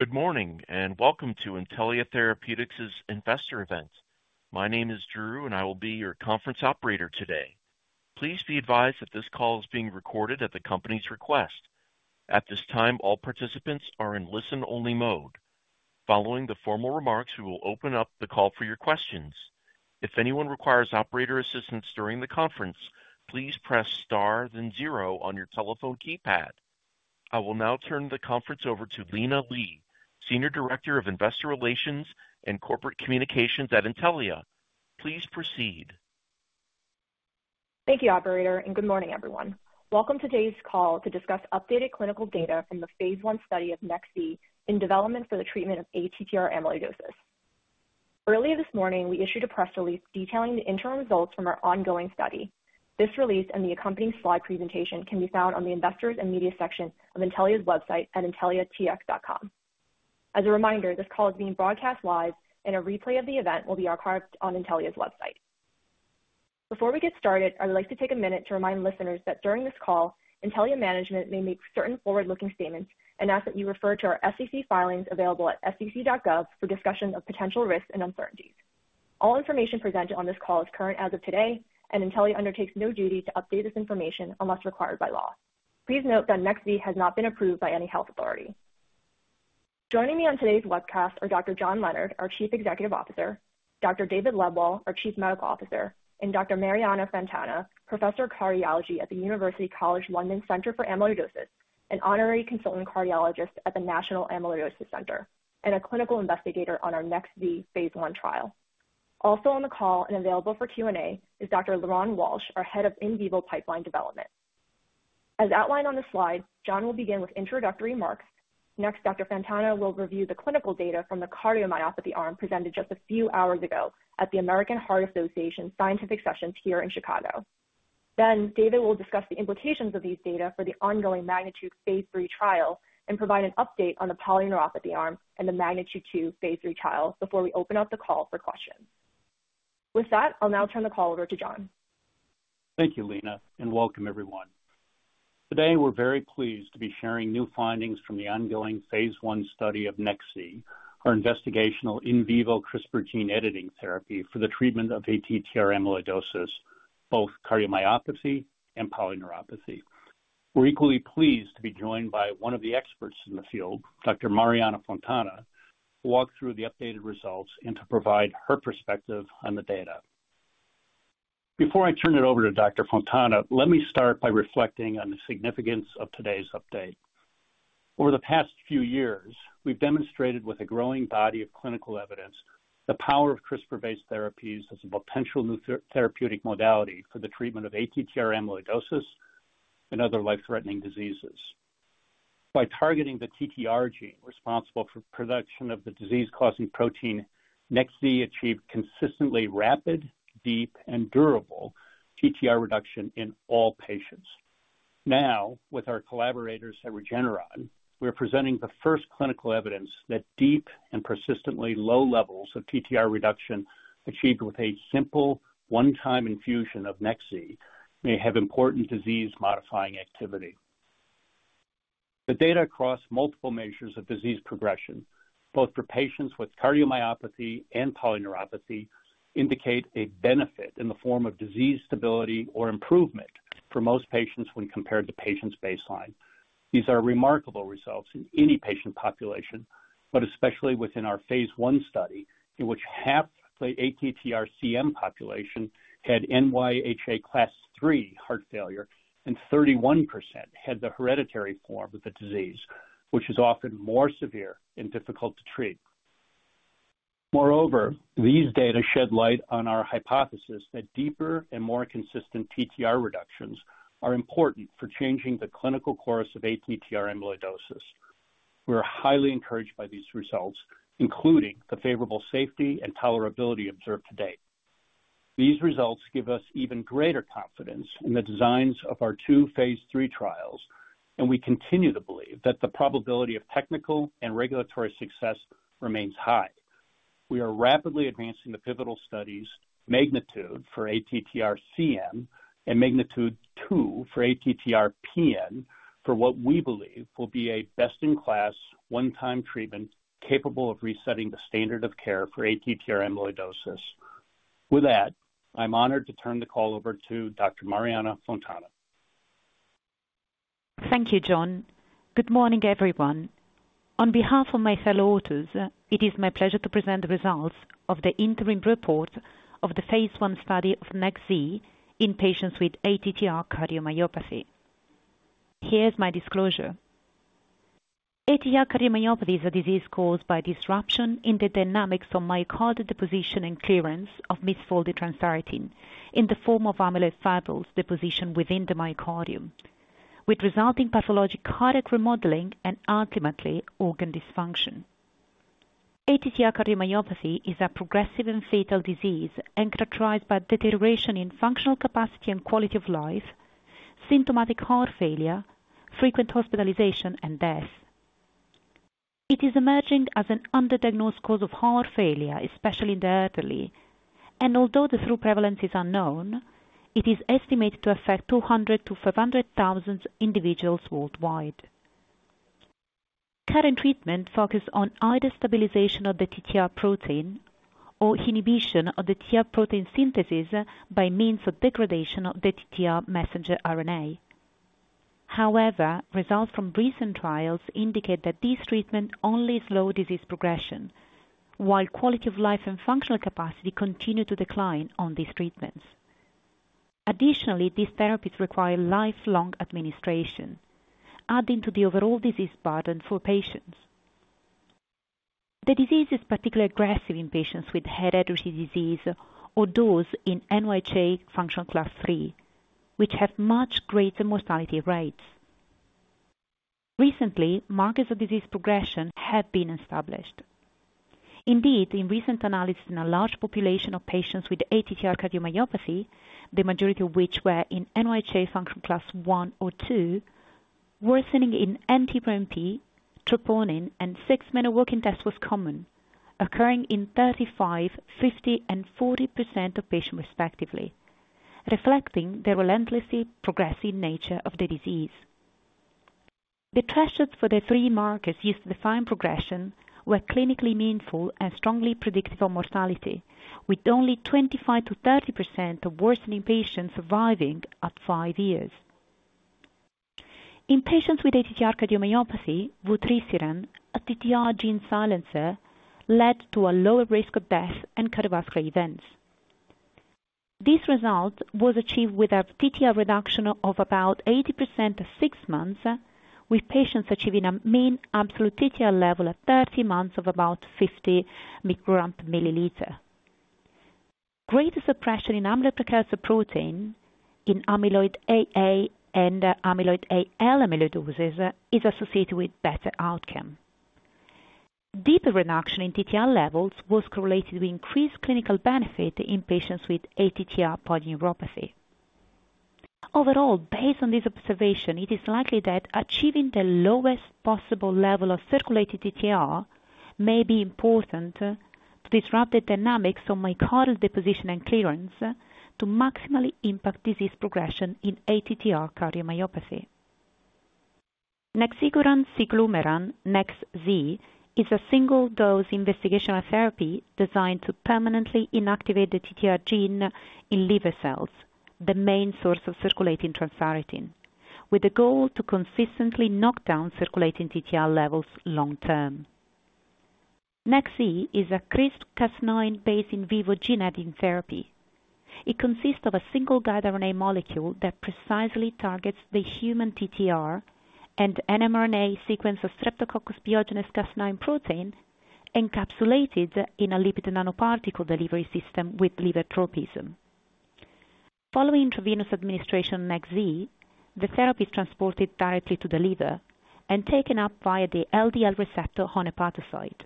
Good morning and welcome to Intellia Therapeutics' investor event. My name is Drew, and I will be your conference operator today. Please be advised that this call is being recorded at the company's request. At this time, all participants are in listen-only mode. Following the formal remarks, we will open up the call for your questions. If anyone requires operator assistance during the conference, please press star then zero on your telephone keypad. I will now turn the conference over to Lina Li, Senior Director of Investor Relations and Corporate Communications at Intellia. Please proceed. Thank you, Operator, and good morning, everyone. Welcome to today's call to discuss updated clinical data from the phase I study of Nex-Z in development for the treatment of ATTR amyloidosis. Earlier this morning, we issued a press release detailing the interim results from our ongoing study. This release and the accompanying slide presentation can be found on the investors and media section of Intellia's website at intelliatx.com. As a reminder, this call is being broadcast live, and a replay of the event will be archived on Intellia's website. Before we get started, I would like to take a minute to remind listeners that during this call, Intellia management may make certain forward-looking statements and ask that you refer to our SEC filings available at sec.gov for discussion of potential risks and uncertainties. All information presented on this call is current as of today, and Intellia undertakes no duty to update this information unless required by law. Please note that Nexi has not been approved by any health authority. Joining me on today's webcast are Dr. John Leonard, our Chief Executive Officer, Dr. David Lebwohl, our Chief Medical Officer, and Dr. Mariano Fontana, Professor of Cardiology at the University College London Center for Amyloidosis, an honorary consultant cardiologist at the National Amyloidosis Center and a clinical investigator on our Nexi phase one trial. Also on the call and available for Q&A is Dr. Liron Walsh, our Head of In Vivo Pipeline Development. As outlined on the slide, John will begin with introductory remarks. Next, Dr. Fontana will review the clinical data from the cardiomyopathy arm presented just a few hours ago at the American Heart Association's scientific sessions here in Chicago. David will discuss the implications of these data for the ongoing MAGNITUDE phase III trial and provide an update on the polyneuropathy arm and the MAGNITUDE-2 phase III trial before we open up the call for questions. With that, I'll now turn the call over to John. Thank you, Lina, and welcome everyone. Today, we're very pleased to be sharing new findings from the ongoing phase one study of Nexi, our investigational in vivo CRISPR gene editing therapy for the treatment of ATTR amyloidosis, both cardiomyopathy and polyneuropathy. We're equally pleased to be joined by one of the experts in the field, Dr. Mariano Fontana, to walk through the updated results and to provide her perspective on the data. Before I turn it over to Dr. Fontana, let me start by reflecting on the significance of today's update. Over the past few years, we've demonstrated with a growing body of clinical evidence the power of CRISPR-based therapies as a potential therapeutic modality for the treatment of ATTR amyloidosis and other life-threatening diseases. By targeting the TTR gene responsible for production of the disease-causing protein, Nexi achieved consistently rapid, deep, and durable TTR reduction in all patients. Now, with our collaborators at Regeneron, we're presenting the first clinical evidence that deep and persistently low levels of TTR reduction achieved with a simple one-time infusion of Nexi may have important disease-modifying activity. The data across multiple measures of disease progression, both for patients with cardiomyopathy and polyneuropathy, indicate a benefit in the form of disease stability or improvement for most patients when compared to patients' baseline. These are remarkable results in any patient population, but especially within our phase one study, in which half the ATTR-CM population had NYHA class III heart failure, and 31% had the hereditary form of the disease, which is often more severe and difficult to treat. Moreover, these data shed light on our hypothesis that deeper and more consistent TTR reductions are important for changing the clinical course of ATTR amyloidosis. We're highly encouraged by these results, including the favorable safety and tolerability observed today. These results give us even greater confidence in the designs of our two phase three trials, and we continue to believe that the probability of technical and regulatory success remains high. We are rapidly advancing the pivotal studies: MAGNITUDE for ATTR-CM and AMPLITUDE for ATTR-PN for what we believe will be a best-in-class I time treatment capable of resetting the standard of care for ATTR amyloidosis. With that, I'm honored to turn the call over to Dr. Mariano Fontana. Thank you, John. Good morning, everyone. On behalf of my fellow authors, it is my pleasure to present the results of the interim report of the phase I study of Nexi in patients with ATTR cardiomyopathy. Here's my disclosure. ATTR cardiomyopathy is a disease caused by disruption in the dynamics of myocardial deposition and clearance of misfolded transthyretin in the form of amyloid fibrils deposition within the myocardium, with resulting pathologic cardiac remodeling and ultimately organ dysfunction. ATTR cardiomyopathy is a progressive and fatal disease characterized by deterioration in functional capacity and quality of life, symptomatic heart failure, frequent hospitalization, and death. It is emerging as an underdiagnosed cause of heart failure, especially in the elderly, and although the true prevalence is unknown, it is estimated to affect 200,000-500,000 individuals worldwide. Current treatment focuses on either stabilization of the TTR protein or inhibition of the TTR protein synthesis by means of degradation of the TTR messenger RNA. However, results from recent trials indicate that this treatment only slows disease progression, while quality of life and functional capacity continue to decline on these treatments. Additionally, these therapies require lifelong administration, adding to the overall disease burden for patients. The disease is particularly aggressive in patients with hereditary disease or those in NYHA function class three, which have much greater mortality rates. Recently, markers of disease progression have been established. Indeed, in recent analysis in a large population of patients with ATTR cardiomyopathy, the majority of which were in NYHA function class one or two, worsening in NT-proBNP, troponin, and six-minute walking test was common, occurring in 35%, 50%, and 40% of patients, respectively, reflecting the relentlessly progressive nature of the disease. The thresholds for the three markers used to define progression were clinically meaningful and strongly predictive of mortality, with only 25%-30% of worsening patients surviving at five years. In patients with ATTR cardiomyopathy, Vutrisiran, a TTR gene silencer, led to a lower risk of death and cardiovascular events. This result was achieved with a TTR reduction of about 80% at six months, with patients achieving a mean absolute TTR level at 30 months of about 50 micrograms per milliliter. Greater suppression in amyloid precursor protein in amyloid AA and amyloid AL amyloidosis is associated with better outcome. Deeper reduction in TTR levels was correlated with increased clinical benefit in patients with ATTR polyneuropathy. Overall, based on this observation, it is likely that achieving the lowest possible level of circulating TTR may be important to disrupt the dynamics of myocardial deposition and clearance to maximally impact disease progression in ATTR cardiomyopathy. Nexiguran ziclumeran, Nexi, is a single-dose investigational therapy designed to permanently inactivate the TTR gene in liver cells, the main source of circulating transthyretin, with the goal to consistently knock down circulating TTR levels long-term. Nexi is a CRISPR-Cas9-based in vivo gene editing therapy. It consists of a single guide RNA molecule that precisely targets the human TTR and mRNA sequence of Streptococcus pyogenes Cas9 protein encapsulated in a lipid nanoparticle delivery system with liver tropism. Following intravenous administration of Nexi, the therapy is transported directly to the liver and taken up via the LDL receptor on hepatocyte.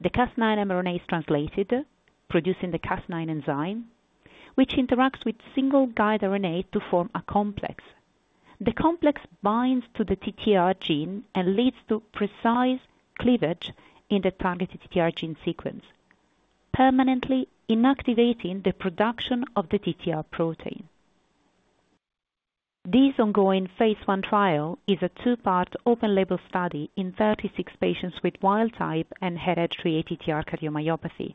The Cas9 mRNA is translated, producing the Cas9 enzyme, which interacts with single guide RNA to form a complex. The complex binds to the TTR gene and leads to precise cleavage in the targeted TTR gene sequence, permanently inactivating the production of the TTR protein. This ongoing phase one trial is a two-part open-label study in 36 patients with wild type and hereditary ATTR cardiomyopathy.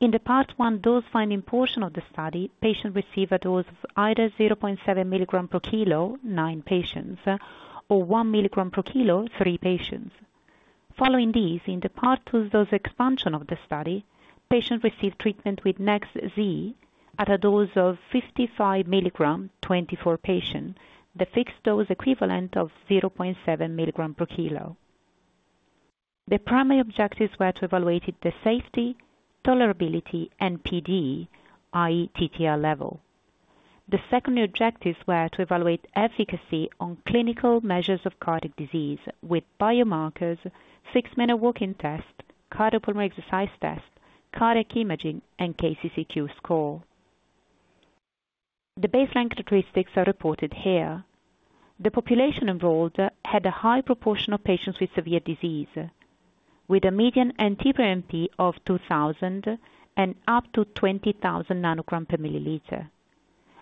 In the part one dose-finding portion of the study, patients received a dose of either 0.7 milligrams per kilo, nine patients, or one milligram per kilo, three patients. Following these, in the part two dose expansion of the study, patients received treatment with Nexi at a dose of 55 milligrams, 24 patients, the fixed dose equivalent of 0.7 milligrams per kilo. The primary objectives were to evaluate the safety, tolerability, and PD, i.e., TTR level. The secondary objectives were to evaluate efficacy on clinical measures of cardiac disease with biomarkers, six-minute walking test, cardiopulmonary exercise test, cardiac imaging, and KCCQ score. The baseline characteristics are reported here. The population enrolled had a high proportion of patients with severe disease, with a median NT-proBNP of 2,000 and up to 20,000 nanograms per milliliter.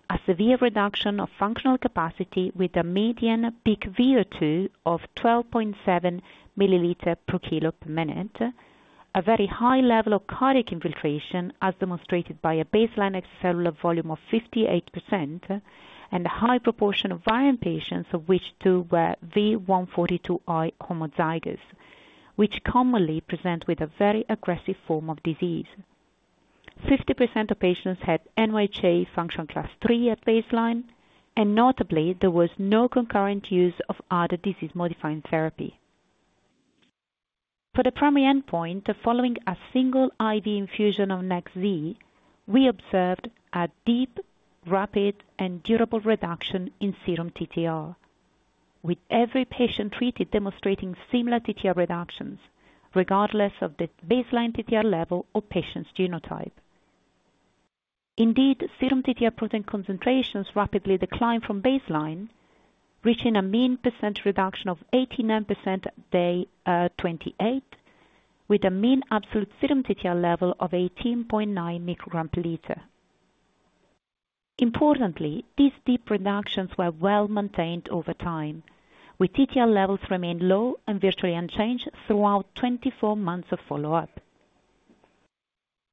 A severe reduction of functional capacity with a median peak VO2 of 12.7 milliliters per kilogram per minute, a very high level of cardiac infiltration as demonstrated by a baseline extracellular volume of 58%, and a high proportion of ATTR patients, of which two were V142I homozygous, which commonly present with a very aggressive form of disease. 50% of patients had NYHA function class three at baseline, and notably, there was no concurrent use of other disease-modifying therapy. For the primary endpoint, following a single IV infusion of Nexi, we observed a deep, rapid, and durable reduction in serum TTR, with every patient treated demonstrating similar TTR reductions, regardless of the baseline TTR level or patient's genotype. Indeed, serum TTR protein concentrations rapidly declined from baseline, reaching a mean percent reduction of 89% day 28, with a mean absolute serum TTR level of 18.9 micrograms per liter. Importantly, these deep reductions were well maintained over time, with TTR levels remaining low and virtually unchanged throughout 24 months of follow-up.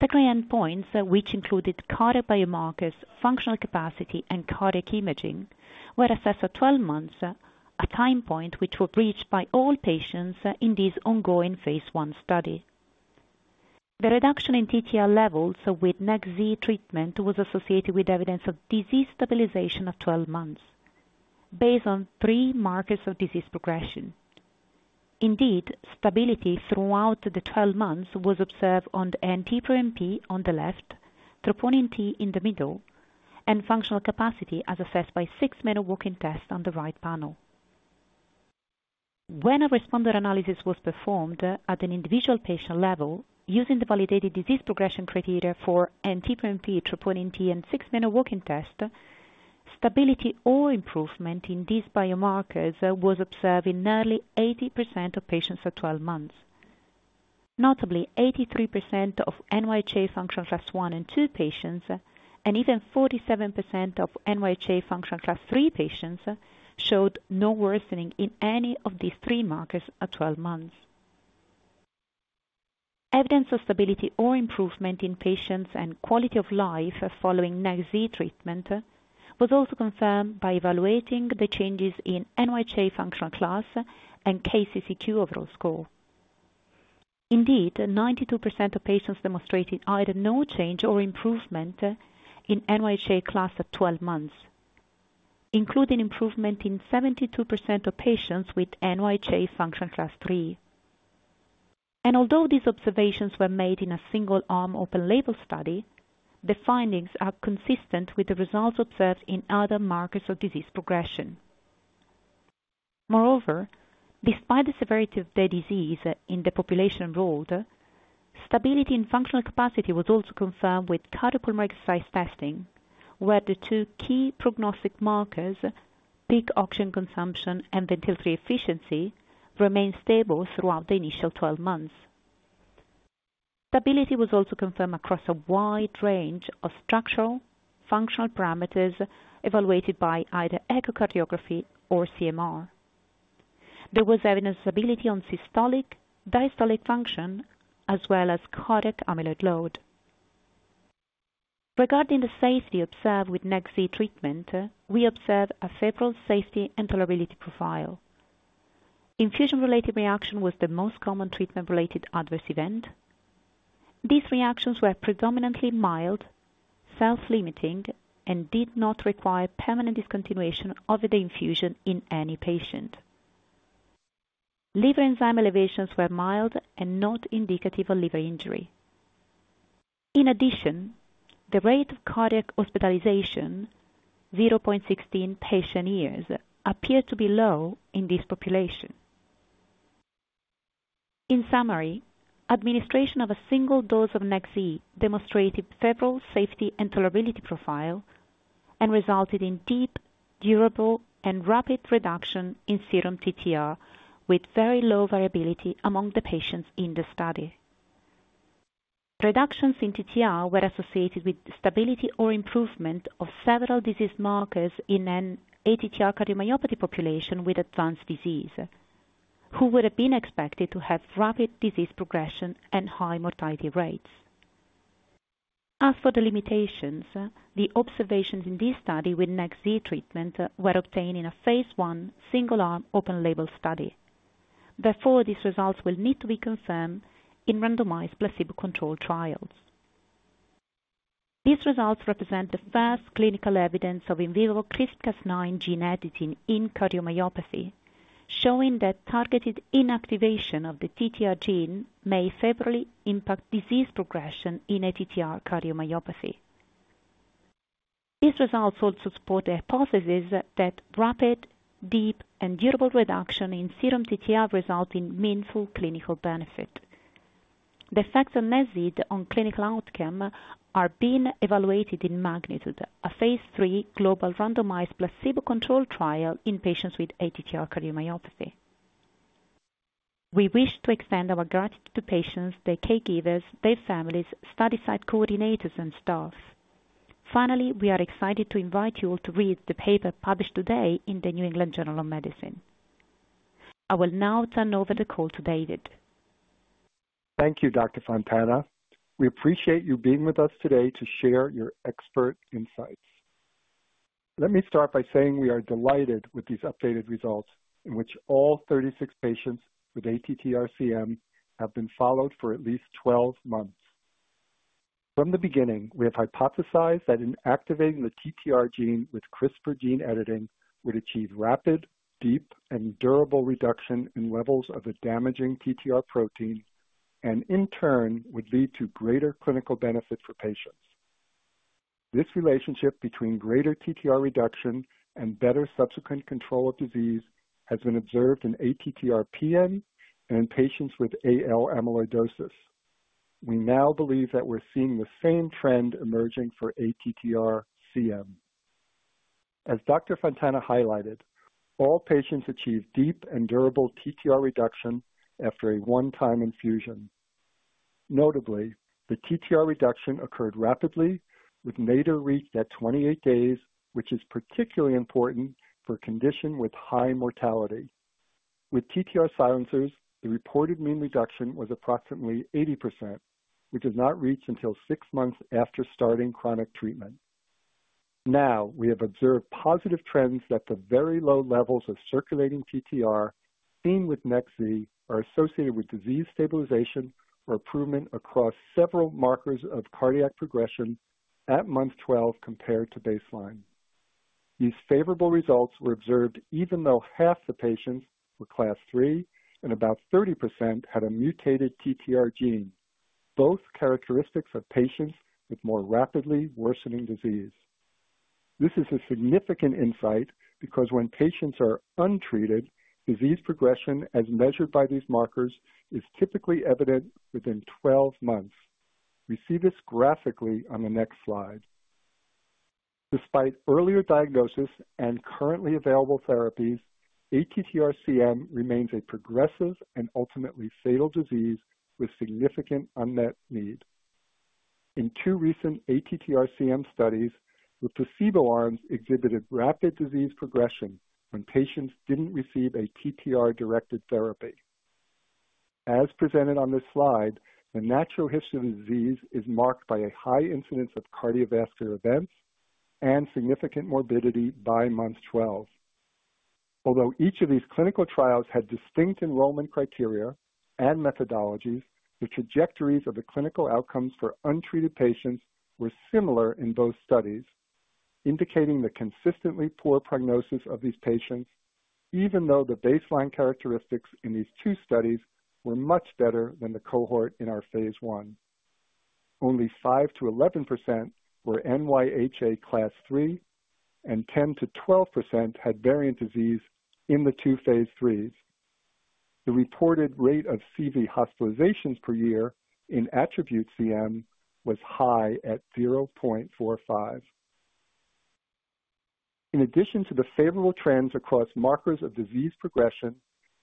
The endpoints, which included cardiac biomarkers, functional capacity, and cardiac imaging, were assessed at 12 months, a time point which was reached by all patients in this ongoing phase one study. The reduction in TTR levels with Nexi treatment was associated with evidence of disease stabilization at 12 months, based on three markers of disease progression. Indeed, stability throughout the 12 months was observed on the NT-proBNP on the left, troponin T in the middle, and functional capacity as assessed by six-minute walking test on the right panel. When a responder analysis was performed at an individual patient level, using the validated disease progression criteria for NT-proBNP, troponin T, and six-minute walking test, stability or improvement in these biomarkers was observed in nearly 80% of patients at 12 months. Notably, 83% of NYHA function class one and two patients, and even 47% of NYHA function class three patients, showed no worsening in any of these three markers at 12 months. Evidence of stability or improvement in patients' quality of life following Nexi treatment was also confirmed by evaluating the changes in NYHA functional class and KCCQ overall score. Indeed, 92% of patients demonstrated either no change or improvement in NYHA class at 12 months, including improvement in 72% of patients with NYHA function class three, and although these observations were made in a single arm open-label study, the findings are consistent with the results observed in other markers of disease progression. Moreover, despite the severity of the disease in the population enrolled, stability in functional capacity was also confirmed with cardiopulmonary exercise testing, where the two key prognostic markers, peak oxygen consumption and ventilatory efficiency, remained stable throughout the initial 12 months. Stability was also confirmed across a wide range of structural functional parameters evaluated by either echocardiography or CMR. There was evidence of stability on systolic and diastolic function, as well as cardiac amyloid load. Regarding the safety observed with Nexi treatment, we observed a favorable safety and tolerability profile. Infusion-related reaction was the most common treatment-related adverse event. These reactions were predominantly mild, self-limiting, and did not require permanent discontinuation of the infusion in any patient. Liver enzyme elevations were mild and not indicative of liver injury. In addition, the rate of cardiac hospitalization, 0.16 patient-years, appeared to be low in this population. In summary, administration of a single dose of Nexi demonstrated a favorable safety and tolerability profile and resulted in deep, durable, and rapid reduction in serum TTR with very low variability among the patients in the study. Reductions in TTR were associated with stability or improvement of several disease markers in an ATTR cardiomyopathy population with advanced disease, who would have been expected to have rapid disease progression and high mortality rates. As for the limitations, the observations in this study with Nexi treatment were obtained in a phase 1 single-arm open-label study. Therefore, these results will need to be confirmed in randomized placebo-controlled trials. These results represent the first clinical evidence of in vivo CRISPR-Cas9 gene editing in cardiomyopathy, showing that targeted inactivation of the TTR gene may favorably impact disease progression in ATTR cardiomyopathy. These results also support the hypothesis that rapid, deep, and durable reduction in serum TTR results in meaningful clinical benefit. The effects of Nexi on clinical outcome are being evaluated in MAGNITUDE, a phase three global randomized placebo-controlled trial in patients with ATTR cardiomyopathy. We wish to extend our gratitude to patients, their caregivers, their families, study site coordinators, and staff. Finally, we are excited to invite you all to read the paper published today in the New England Journal of Medicine. I will now turn over the call to David. Thank you, Dr. Fontana. We appreciate you being with us today to share your expert insights. Let me start by saying we are delighted with these updated results, in which all 36 patients with ATTR-CM have been followed for at least 12 months. From the beginning, we have hypothesized that inactivating the TTR gene with CRISPR gene editing would achieve rapid, deep, and durable reduction in levels of the damaging TTR protein, and in turn, would lead to greater clinical benefit for patients. This relationship between greater TTR reduction and better subsequent control of disease has been observed in ATTR-PN and in patients with AL amyloidosis. We now believe that we're seeing the same trend emerging for ATTR-CM. As Dr. Fontana highlighted, all patients achieved deep and durable TTR reduction after a one-time infusion. Notably, the TTR reduction occurred rapidly, with nadir reached at 28 days, which is particularly important for a condition with high mortality. With TTR silencers, the reported mean reduction was approximately 80%, which is not reached until six months after starting chronic treatment. Now, we have observed positive trends that the very low levels of circulating TTR seen with Nexi are associated with disease stabilization or improvement across several markers of cardiac progression at month 12 compared to baseline. These favorable results were observed even though half the patients were class three and about 30% had a mutated TTR gene, both characteristics of patients with more rapidly worsening disease. This is a significant insight because when patients are untreated, disease progression as measured by these markers is typically evident within 12 months. We see this graphically on the next slide. Despite earlier diagnosis and currently available therapies, ATTR-CM remains a progressive and ultimately fatal disease with significant unmet need. In two recent ATTR-CM studies, the placebo arms exhibited rapid disease progression when patients didn't receive a TTR-directed therapy. As presented on this slide, the natural history of the disease is marked by a high incidence of cardiovascular events and significant morbidity by month 12. Although each of these clinical trials had distinct enrollment criteria and methodologies, the trajectories of the clinical outcomes for untreated patients were similar in both studies, indicating the consistently poor prognosis of these patients, even though the baseline characteristics in these two studies were much better than the cohort in our phase one. Only 5%-11% were NYHA class three, and 10%-12% had variant disease in the two phase threes. The reported rate of CV hospitalizations per year in ATTRibute-CM was high at 0.45. In addition to the favorable trends across markers of disease progression,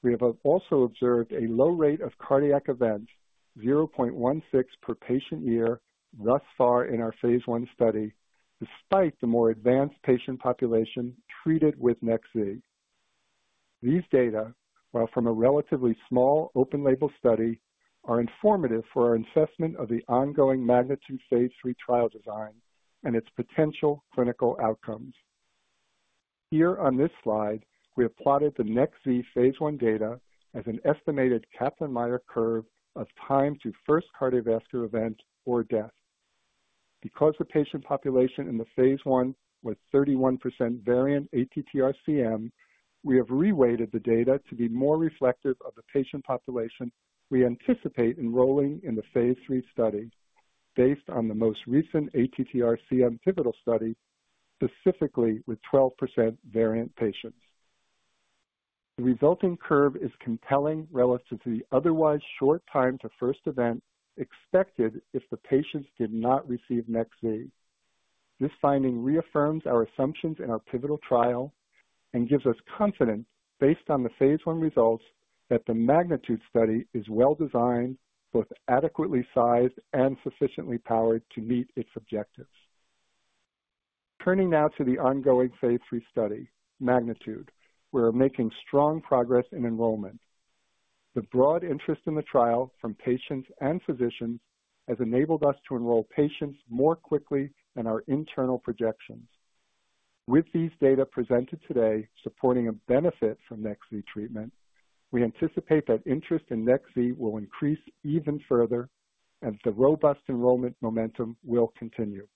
we have also observed a low rate of cardiac events, 0.16 per patient-year, thus far in our phase one study, despite the more advanced patient population treated with Nexi. These data, while from a relatively small open-label study, are informative for our assessment of the ongoing MAGNITUDE phase three trial design and its potential clinical outcomes. Here on this slide, we have plotted the Nexi phase one data as an estimated Kaplan-Meier curve of time to first cardiovascular event or death. Because the patient population in the phase one was 31% variant ATTR-CM, we have reweighted the data to be more reflective of the patient population we anticipate enrolling in the phase three study, based on the most recent ATTR-CM pivotal study, specifically with 12% variant patients. The resulting curve is compelling relative to the otherwise short time to first event expected if the patients did not receive Nexi. This finding reaffirms our assumptions in our pivotal trial and gives us confidence, based on the phase one results, that the MAGNITUDE study is well designed, both adequately sized and sufficiently powered to meet its objectives. Turning now to the ongoing phase three study, MAGNITUDE, we are making strong progress in enrollment. The broad interest in the trial from patients and physicians has enabled us to enroll patients more quickly than our internal projections. With these data presented today supporting a benefit from Nexi treatment, we anticipate that interest in Nexi will increase even further as the robust enrollment momentum will continue.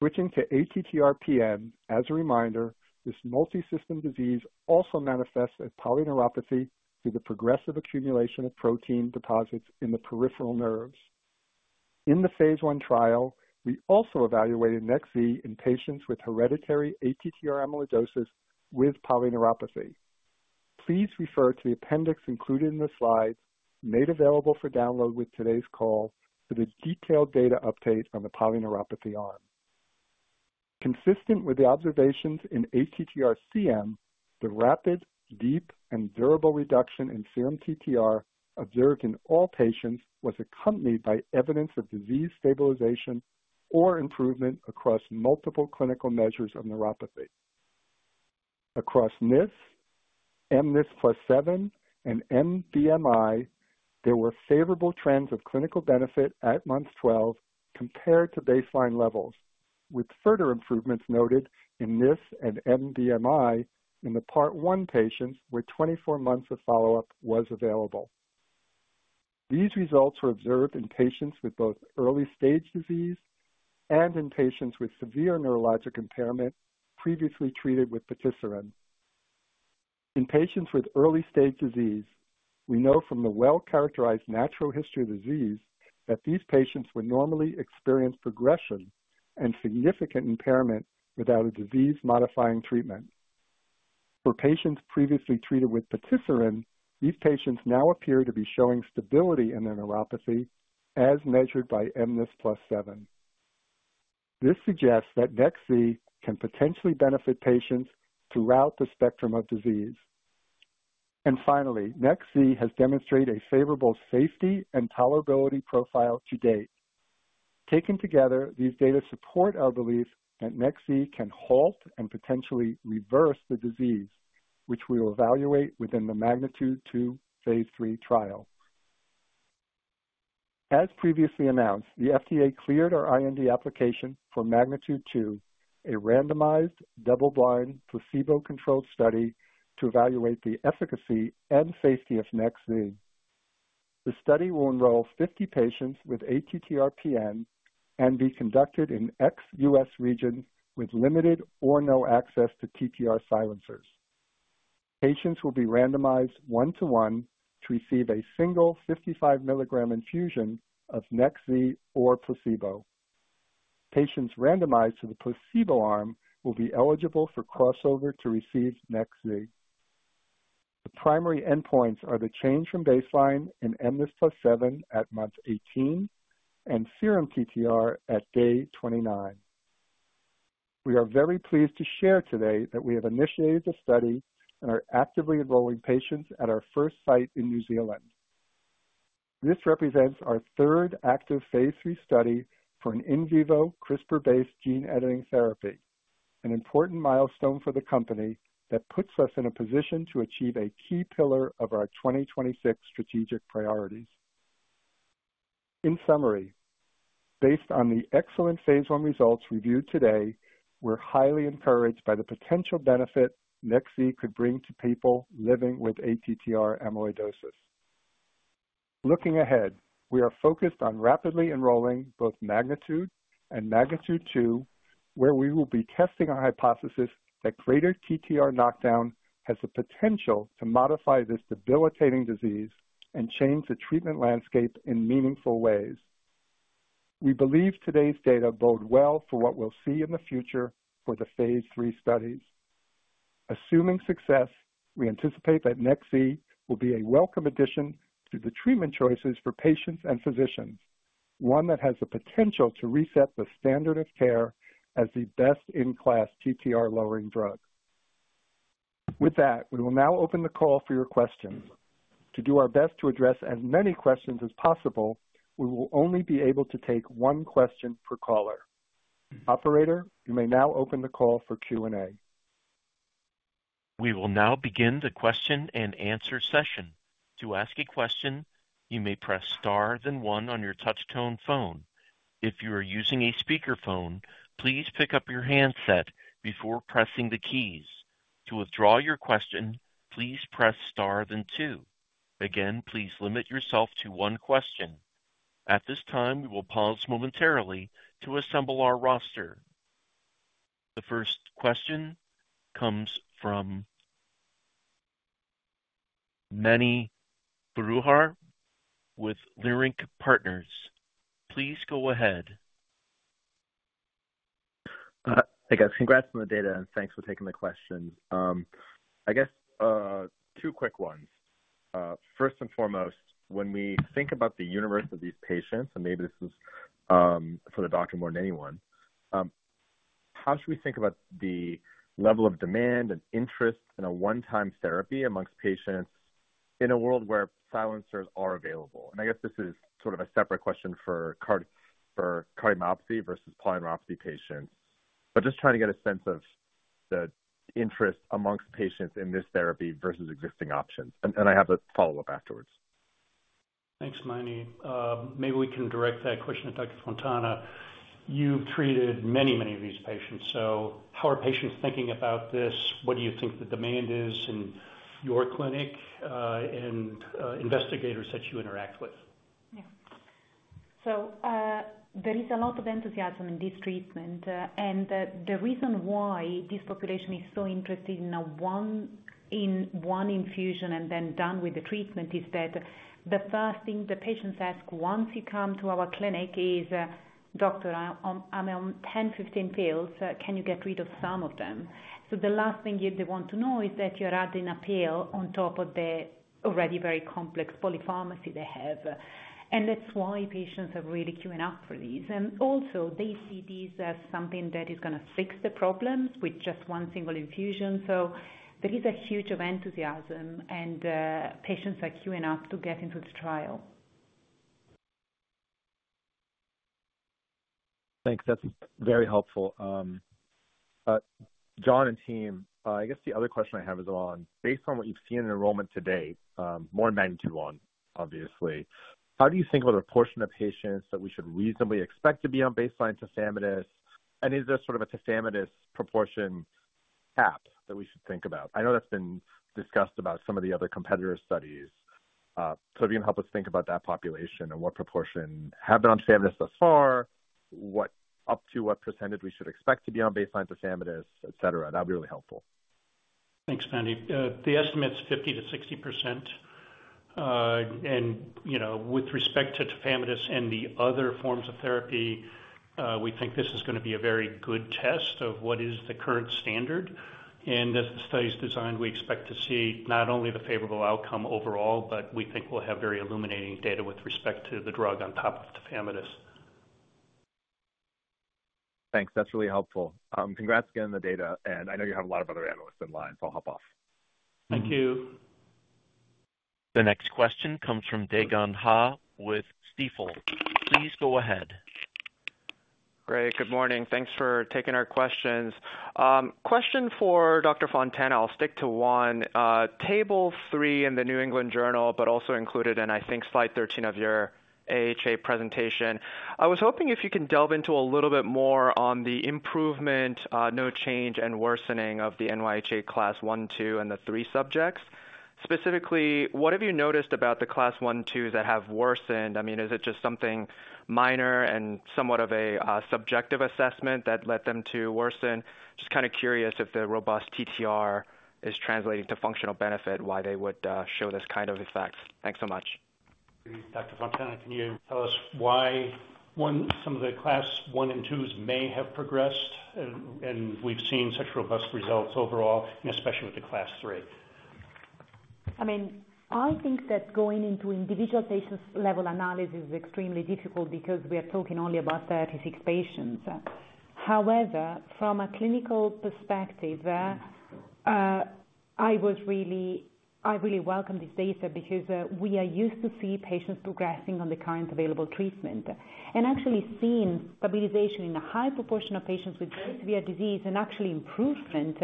Switching to ATTR-PN, as a reminder, this multisystem disease also manifests as polyneuropathy through the progressive accumulation of protein deposits in the peripheral nerves. In the phase I trial, we also evaluated Nexi in patients with hereditary ATTR amyloidosis with polyneuropathy. Please refer to the appendix included in the slides, made available for download with today's call, for the detailed data update on the polyneuropathy arm. Consistent with the observations in ATTR-CM, the rapid, deep, and durable reduction in serum TTR observed in all patients was accompanied by evidence of disease stabilization or improvement across multiple clinical measures of neuropathy. Across NIS, mNIS+7, and mBMI, there were favorable trends of clinical benefit at month 12 compared to baseline levels, with further improvements noted in NIS and mBMI in the part one patients where 24 months of follow-up was available. These results were observed in patients with both early stage disease and in patients with severe neurologic impairment previously treated with patisiran. In patients with early stage disease, we know from the well-characterized natural history of disease that these patients would normally experience progression and significant impairment without a disease-modifying treatment. For patients previously treated with patisiran, these patients now appear to be showing stability in their neuropathy, as measured by mNIS+7. This suggests that Nexi can potentially benefit patients throughout the spectrum of disease. And finally, Nexi has demonstrated a favorable safety and tolerability profile to date. Taken together, these data support our belief that Nexi can halt and potentially reverse the disease, which we will evaluate within the MAGNITUDE-2 phase III trial. As previously announced, the FDA cleared our IND application for MAGNITUDE-2, a randomized double-blind placebo-controlled study to evaluate the efficacy and safety of Nexi. The study will enroll 50 patients with ATTR-PN and be conducted in ex-US region with limited or no access to TTR silencers. Patients will be randomized one-to-one to receive a single 55 milligram infusion of Nexi or placebo. Patients randomized to the placebo arm will be eligible for crossover to receive Nexi. The primary endpoints are the change from baseline in mNIS+7 at month 18 and serum TTR at day 29. We are very pleased to share today that we have initiated the study and are actively enrolling patients at our first site in New Zealand. This represents our third active phase three study for an in vivo CRISPR-based gene editing therapy, an important milestone for the company that puts us in a position to achieve a key pillar of our 2026 strategic priorities. In summary, based on the excellent phase one results reviewed today, we're highly encouraged by the potential benefit Nexi could bring to people living with ATTR amyloidosis. Looking ahead, we are focused on rapidly enrolling both MAGNITUDE and MAGNITUDE-2, where we will be testing our hypothesis that greater TTR knockdown has the potential to modify this debilitating disease and change the treatment landscape in meaningful ways. We believe today's data bode well for what we'll see in the future for the phase three studies. Assuming success, we anticipate that Nexi will be a welcome addition to the treatment choices for patients and physicians, one that has the potential to reset the standard of care as the best-in-class TTR-lowering drug. With that, we will now open the call for your questions. To do our best to address as many questions as possible, we will only be able to take one question per caller. Operator, you may now open the call for Q&A. We will now begin the question and answer session. To ask a question, you may press star then one on your touch-tone phone. If you are using a speakerphone, please pick up your handset before pressing the keys. To withdraw your question, please press star then two. Again, please limit yourself to one question. At this time, we will pause momentarily to assemble our roster. The first question comes from Mani Foroohar with Leerink Partners. Please go ahead. Hey, guys. Congrats on the data, and thanks for taking the question. I guess two quick ones. First and foremost, when we think about the universe of these patients, and maybe this is for the doctor more than anyone, how should we think about the level of demand and interest in a one-time therapy amongst patients in a world where silencers are available? And I guess this is sort of a separate question for cardiomyopathy versus polyneuropathy patients, but just trying to get a sense of the interest amongst patients in this therapy versus existing options. And I have a follow-up afterwards. Thanks, Mani. Maybe we can direct that question to Dr. Fontana. You've treated many, many of these patients. So how are patients thinking about this? What do you think the demand is in your clinic and investigators that you interact with? Yeah. So there is a lot of enthusiasm in this treatment. The reason why this population is so interested in one infusion and then done with the treatment is that the first thing the patients ask once you come to our clinic is, "Doctor, I'm on 10, 15 pills. Can you get rid of some of them?" So the last thing they want to know is that you're adding a pill on top of the already very complex polypharmacy they have. And that's why patients are really queuing up for these. And also, they see these as something that is going to fix the problems with just one single infusion. So there is a huge amount of enthusiasm, and patients are queuing up to get into the trial. Thanks. That's very helpful. John and team, I guess the other question I have is on, based on what you've seen in enrollment to date in MAGNITUDE-1, obviously, how do you think about the proportion of patients that we should reasonably expect to be on baseline tafamidis? And is there sort of a tafamidis proportion cap that we should think about? I know that's been discussed about some of the other competitor studies. So if you can help us think about that population and what proportion have been on tafamidis thus far, up to what percentage we should expect to be on baseline tafamidis, et cetera, that would be really helpful. Thanks, Mani. The estimate's 50%-60%. And with respect to Tafamidis and the other forms of therapy, we think this is going to be a very good test of what is the current standard. As the study's designed, we expect to see not only the favorable outcome overall, but we think we'll have very illuminating data with respect to the drug on top of Tafamidis. Thanks. That's really helpful. Congrats again on the data. And I know you have a lot of other analysts in line, so I'll hop off. Thank you. The next question comes from Dae Gon Ha with Stifel. Please go ahead. Great. Good morning. Thanks for taking our questions. Question for Dr. Fontana. I'll stick to one. Table three in the New England Journal, but also included in, I think, slide 13 of your AHA presentation. I was hoping if you can delve into a little bit more on the improvement, no change, and worsening of the NYHA class one, two, and the three subjects. Specifically, what have you noticed about the class one, two that have worsened? I mean, is it just something minor and somewhat of a subjective assessment that led them to worsen? Just kind of curious if the robust TTR is translating to functional benefit, why they would show this kind of effect. Thanks so much. Dr. Fontana, can you tell us why some of the class one and twos may have progressed and we've seen such robust results overall, and especially with the class three? I mean, I think that going into individual patient-level analysis is extremely difficult because we are talking only about 36 patients. However, from a clinical perspective, I really welcome this data because we are used to seeing patients progressing on the current available treatment, and actually seeing stabilization in a high proportion of patients with very severe disease and actually improvement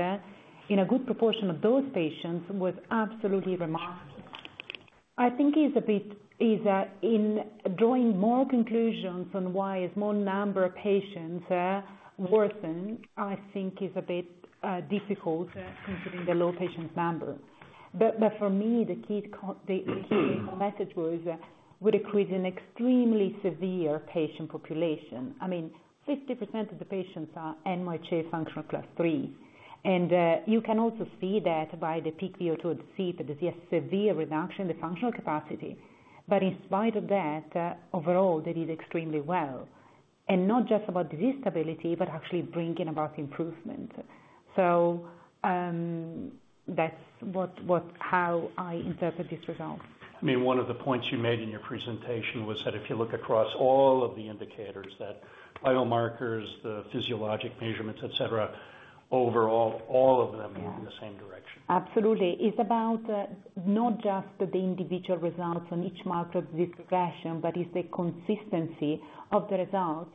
in a good proportion of those patients was absolutely remarkable. I think it's a bit in drawing more conclusions on why a small number of patients worsen. I think it is a bit difficult considering the low patient number. But for me, the key message was we're accruing an extremely severe patient population. I mean, 50% of the patients are NYHA functional class three. And you can also see that by the peak VO2 of the cohort that there's a severe reduction in the functional capacity. But in spite of that, overall, they did extremely well. And not just about disease stability, but actually bringing about improvement. So that's how I interpret these results. I mean, one of the points you made in your presentation was that if you look across all of the indicators, that biomarkers, the physiologic measurements, et cetera, overall, all of them are in the same direction. Absolutely. It's about not just the individual results on each marker of disease progression, but it's the consistency of the results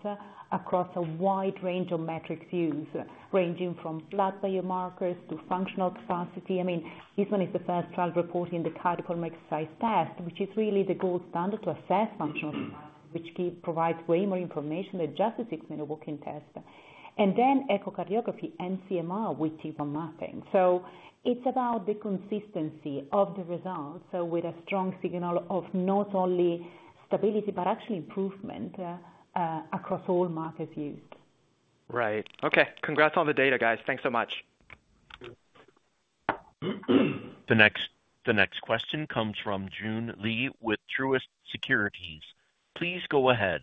across a wide range of metrics used, ranging from blood biomarkers to functional capacity. I mean, this one is the first trial reporting the cardiopulmonary exercise test, which is really the gold standard to assess functional capacity, which provides way more information than just a six-minute walk test. And then echocardiography and CMR with T1 mapping. So it's about the consistency of the results, so with a strong signal of not only stability, but actually improvement across all markers used. Right. Okay. Congrats on the data, guys. Thanks so much. The next question comes from Joon Lee with Truist Securities. Please go ahead.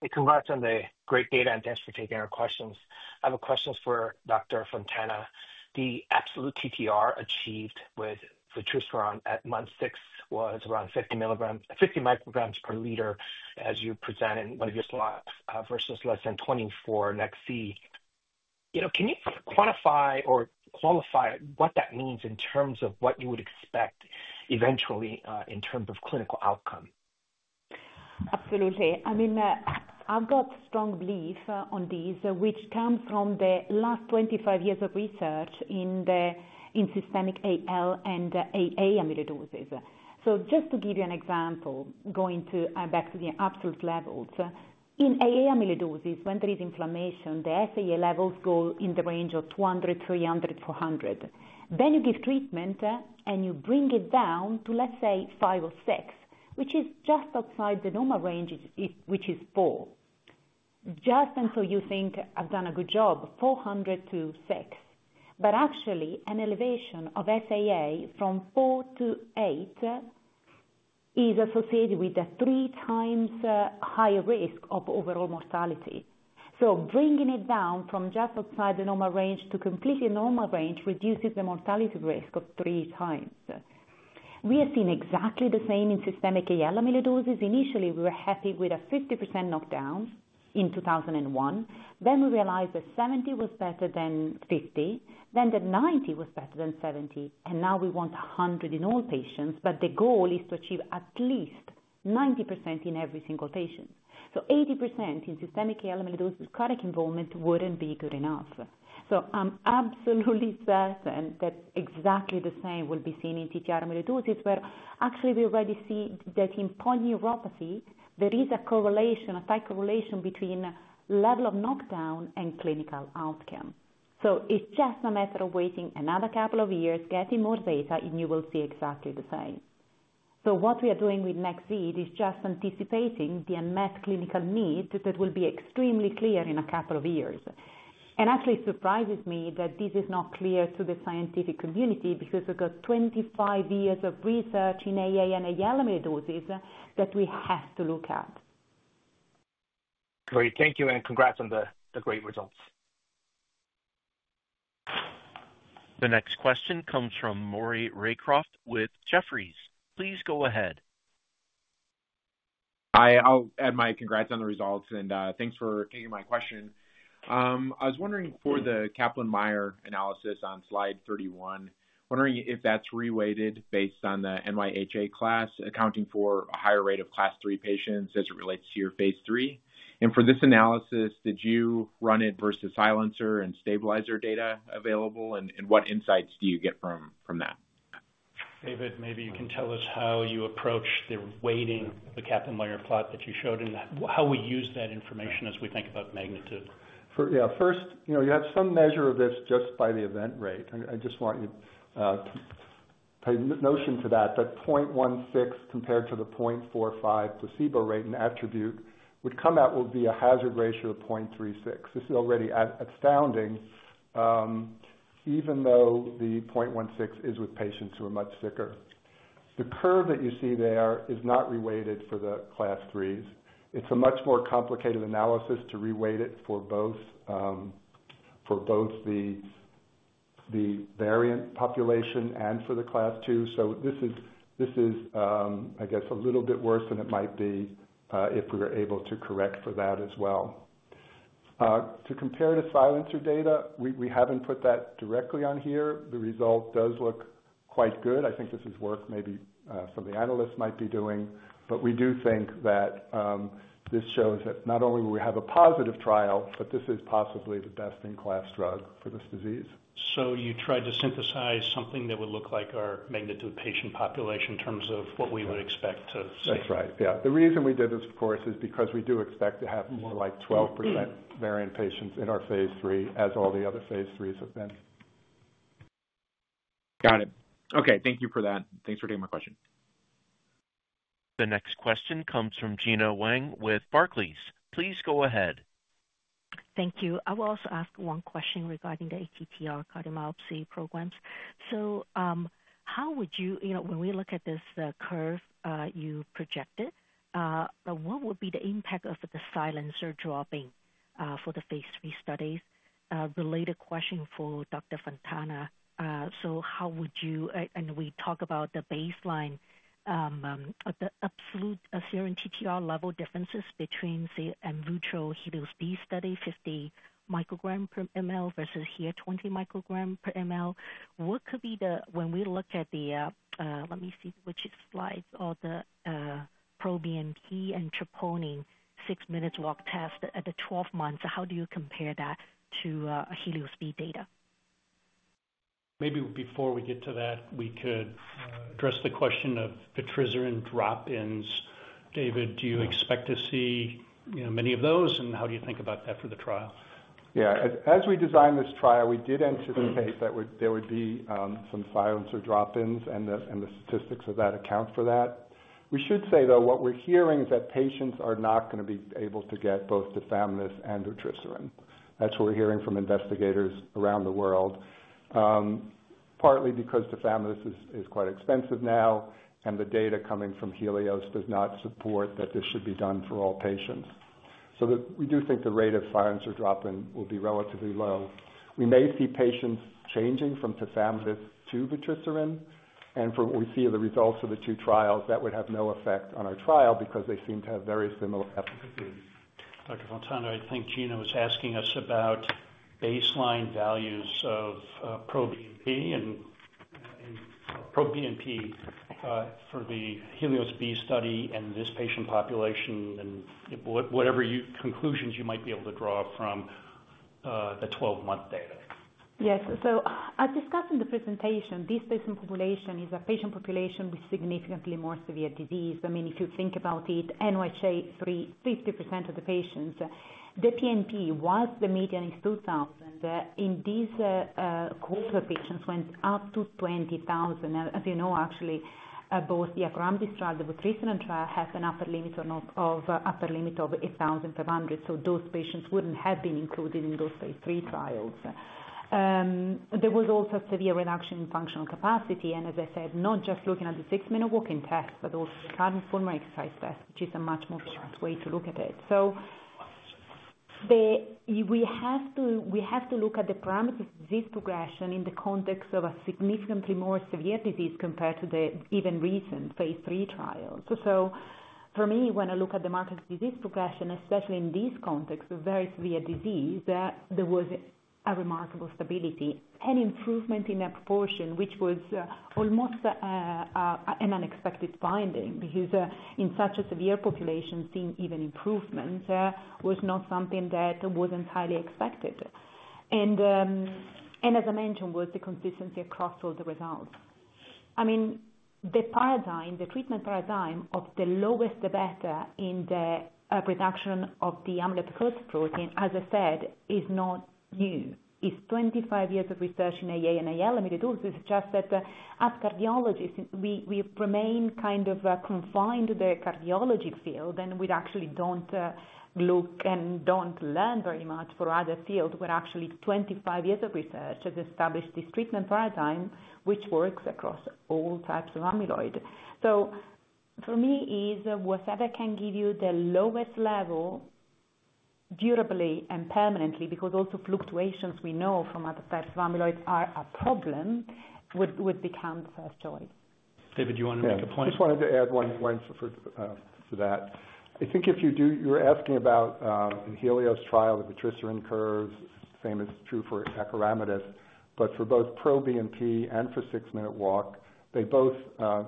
Hey, congrats on the great data, and thanks for taking our questions. I have a question for Dr. Fontana. The absolute TTR achieved with vutrisiran at month six was around 50 micrograms per liter as you present in one of your slots versus less than 24 Nexi. Can you quantify or qualify what that means in terms of what you would expect eventually in terms of clinical outcome? Absolutely. I mean, I've got strong belief on these, which come from the last 25 years of research in systemic AL and AA amyloidosis. So just to give you an example, going back to the absolute levels, in AA amyloidosis, when there is inflammation, the SAA levels go in the range of 200, 300, 400. Then you give treatment, and you bring it down to, let's say, five or six, which is just outside the normal range, which is four. Just until you think, "I've done a good job," 400 to six. But actually, an elevation of SAA from four to eight is associated with a three-times higher risk of overall mortality. So bringing it down from just outside the normal range to completely normal range reduces the mortality risk of three times. We have seen exactly the same in systemic AL amyloidosis. Initially, we were happy with a 50% knockdown in 2001. Then we realized that 70 was better than 50, then that 90 was better than 70. And now we want 100 in all patients, but the goal is to achieve at least 90% in every single patient. So 80% in systemic AL amyloidosis cardiac involvement wouldn't be good enough. So I'm absolutely certain that exactly the same will be seen in TTR amyloidosis, where actually we already see that in polyneuropathy, there is a correlation, a tight correlation between level of knockdown and clinical outcome. So it's just a matter of waiting another couple of years, getting more data, and you will see exactly the same. So what we are doing with Nexi is just anticipating the unmet clinical need that will be extremely clear in a couple of years. And actually, it surprises me that this is not clear to the scientific community because we've got 25 years of research in AA and AL amyloidosis that we have to look at. Great. Thank you, and congrats on the great results. The next question comes from Maury Raycroft with Jefferies. Please go ahead. Hi. I'll add my congrats on the results, and thanks for taking my question. I was wondering for the Kaplan-Meier analysis on slide 31, wondering if that's reweighted based on the NYHA class accounting for a higher rate of class three patients as it relates to your phase three? And for this analysis, did you run it versus silencer and stabilizer data available, and what insights do you get from that? David, maybe you can tell us how you approach the weighting of the Kaplan-Meier plot that you showed, and how we use that information as we think about MAGNITUDE. Yeah. First, you have some measure of this just by the event rate. I just want you to pay attention to that, that 0.16 compared to the 0.45 placebo rate and ATTRibute would come out will be a hazard ratio of 0.36. This is already astounding, even though the 0.16 is with patients who are much sicker. The curve that you see there is not reweighted for the class threes. It's a much more complicated analysis to reweight it for both the variant population and for the class II. So this is, I guess, a little bit worse than it might be if we were able to correct for that as well. To compare to silencer data, we haven't put that directly on here. The result does look quite good. I think this is work maybe some of the analysts might be doing. But we do think that this shows that not only will we have a positive trial, but this is possibly the best-in-class drug for this disease. So you tried to synthesize something that would look like our MAGNITUDE patient population in terms of what we would expect to see. That's right. Yeah. The reason we did this, of course, is because we do expect to have more like 12% variant patients in our phase III, as all the other phase IIIs have been. Got it. Okay. Thank you for that. Thanks for taking my question. The next question comes from Gena Wang with Barclays. Please go ahead. Thank you. I will also ask one question regarding the ATTR cardiomyopathy programs. So how would you, when we look at this curve you projected, what would be the impact of the silencer dropping for the phase three studies? Related question for Dr. Fontana. So how would you, and we talk about the baseline, the absolute serum TTR level differences between the HELIOS-B study, 50 micrograms per ml versus here, 20 micrograms per ml. What could be the, when we look at the, let me see which slides, or the proBNP and troponin six-minute walk test at the 12 months, how do you compare that to HELIOS-B data? Maybe before we get to that, we could address the question of the TTR drop-ins. David, do you expect to see many of those, and how do you think about that for the trial? Yeah. As we designed this trial, we did anticipate that there would be some silencer drop-ins, and the statistics of that account for that. We should say, though, what we're hearing is that patients are not going to be able to get both Tafamidis and vutrisiran. That's what we're hearing from investigators around the world, partly because Tafamidis is quite expensive now, and the data coming from HELIOS does not support that this should be done for all patients. So we do think the rate of silencer drop-in will be relatively low. We may see patients changing from Tafamidis to vutrisiran, and from what we see of the results of the two trials, that would have no effect on our trial because they seem to have very similar efficacy. Dr. Fontana, I think Gena was asking us about baseline values of NT-proBNP for the HELIOS-B study and this patient population and whatever conclusions you might be able to draw from the 12-month data. Yes. So as discussed in the presentation, this patient population is a patient population with significantly more severe disease. I mean, if you think about it, NYHA three, 50% of the patients. The NT-proBNP, one SD median in 2000 in these patients went up to 20,000. As you know, actually, both the acoramidis trial, the vutrisiran trial has an upper limit of 1,500. So those patients wouldn't have been included in those phase III trials. There was also a severe reduction in functional capacity, and as I said, not just looking at the six-minute walk test, but also the cardiopulmonary exercise test, which is a much more precise way to look at it. So we have to look at the parameters of disease progression in the context of a significantly more severe disease compared to the even recent phase III trials. So for me, when I look at the markers of disease progression, especially in this context with very severe disease, there was a remarkable stability and improvement in that proportion, which was almost an unexpected finding because in such a severe population, seeing even improvement was not something that wasn't highly expected. And as I mentioned, was the consistency across all the results. I mean, the paradigm, the treatment paradigm of the lowest the better in the reduction of the amyloid precursor protein, as I said, is not new. It's 25 years of research in AA and AL amyloidosis. It's just that as cardiologists, we remain kind of confined to the cardiology field, and we actually don't look and don't learn very much for other fields. We're actually 25 years of research that established this treatment paradigm, which works across all types of amyloid. So for me, it was that I can give you the lowest level durably and permanently because also fluctuations we know from other types of amyloid are a problem would become the first choice. David, do you want to make a point? I just wanted to add one point to that. I think if you do, you're asking about in HELIOS-B trial, the letrozone curve, same is true for acoramidis, but for both proBNP and for six-minute walk, they both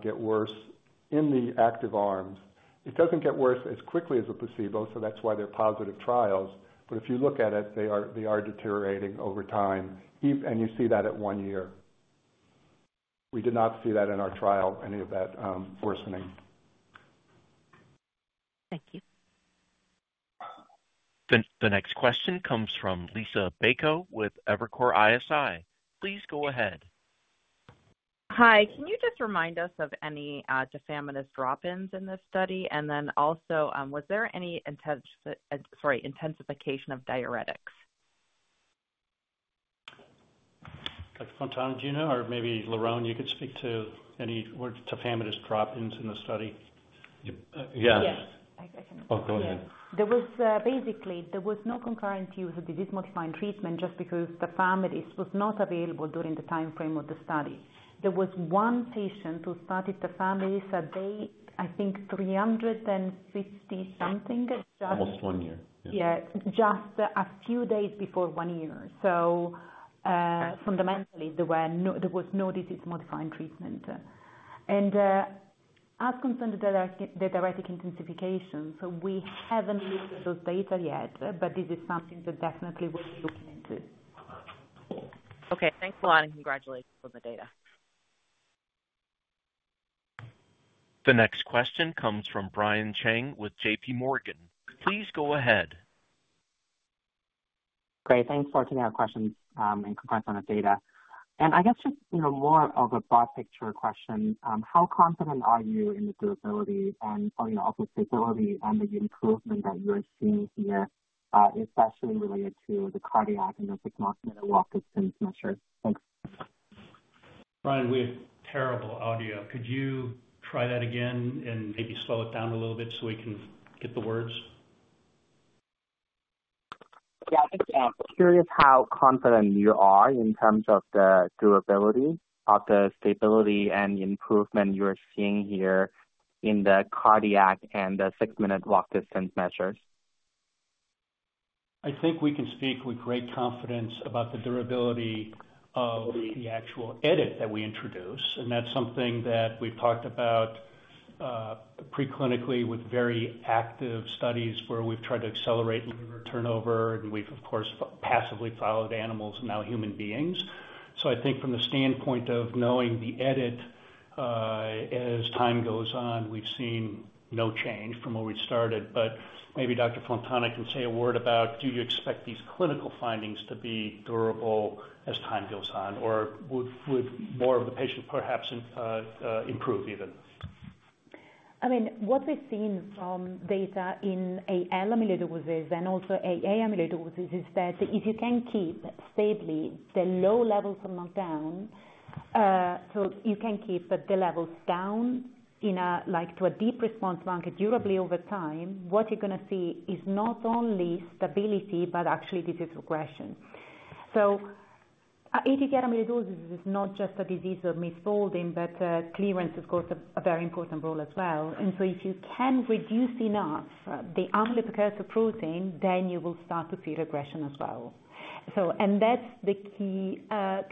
get worse in the active arms. It doesn't get worse as quickly as a placebo, so that's why they're positive trials. But if you look at it, they are deteriorating over time, and you see that at one year. We did not see that in our trial, any of that worsening. Thank you. The next question comes from Lisa Bayko with Evercore ISI. Please go ahead. Hi. Can you just remind us of any Tafamidis drop-ins in this study? And then also, was there any intensification of diuretics? Dr. Fontana, Gina, or maybe Liron, you could speak to any Tafamidis drop-ins in the study. Yeah. Yes. I can speak. Oh, go ahead. Basically, there was no concurrent use of disease-modifying treatment just because tafamidis was not available during the timeframe of the study. There was one patient who started tafamidis at, I think, 350-something. Almost one year. Yeah. Just a few days before one year. So fundamentally, there was no disease-modifying treatment. And as concerning the diuretic intensification, so we haven't looked at those data yet, but this is something that definitely we're looking into. Okay. Thanks a lot, and congratulations on the data. The next question comes from Brian Cheng with JP Morgan. Please go ahead. Great. Thanks for taking our questions and concerns on the data. And I guess just more of a broad-picture question, how confident are you in the durability and also stability and the improvement that you are seeing here, especially related to the cardiac and the six-minute walk distance measure? Thanks. Brian, we have terrible audio. Could you try that again and maybe slow it down a little bit so we can get the words? Yeah. I'm curious how confident you are in terms of the durability of the stability and improvement you are seeing here in the cardiac and the six-minute walk distance measures. I think we can speak with great confidence about the durability of the actual edit that we introduce. And that's something that we've talked about preclinically with very active studies where we've tried to accelerate mature turnover, and we've, of course, passively followed animals and now human beings. So I think from the standpoint of knowing the edit, as time goes on, we've seen no change from where we started. But maybe Dr. Fontana can say a word about, do you expect these clinical findings to be durable as time goes on, or would more of the patients perhaps improve even? I mean, what we've seen from data in AL amyloidosis and also AA amyloidosis is that if you can keep stably the low levels of knockdown, so you can keep the levels down to a deep response marker durably over time, what you're going to see is not only stability, but actually disease progression, so ATTR amyloidosis is not just a disease of misfolding, but clearance has got a very important role as well, and so if you can reduce enough the amyloid precursor protein, then you will start to see regression as well, and that's the key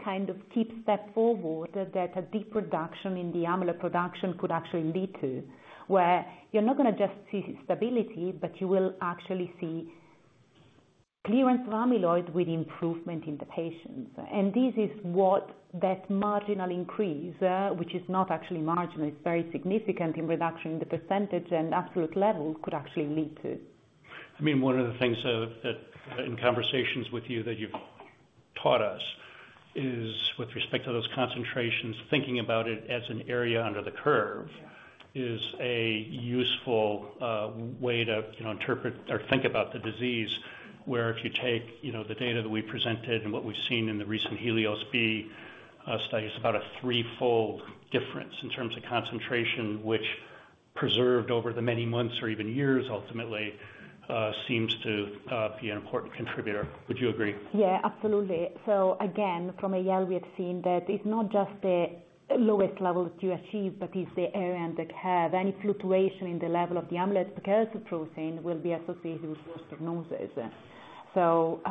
kind of keep step forward that a deep reduction in the amyloid production could actually lead to, where you're not going to just see stability, but you will actually see clearance of amyloid with improvement in the patients. And this is what that marginal increase, which is not actually marginal, is very significant in reduction in the percentage and absolute level could actually lead to. I mean, one of the things that in conversations with you that you've taught us is, with respect to those concentrations, thinking about it as an area under the curve is a useful way to interpret or think about the disease, where if you take the data that we presented and what we've seen in the recent HELIOS-B studies, about a threefold difference in terms of concentration, which preserved over the many months or even years ultimately seems to be an important contributor. Would you agree? Yeah. Absolutely. So again, from AL, we have seen that it's not just the lowest level that you achieve, but it's the area under curve. Any fluctuation in the level of the amyloid precursor protein will be associated with disease progression. So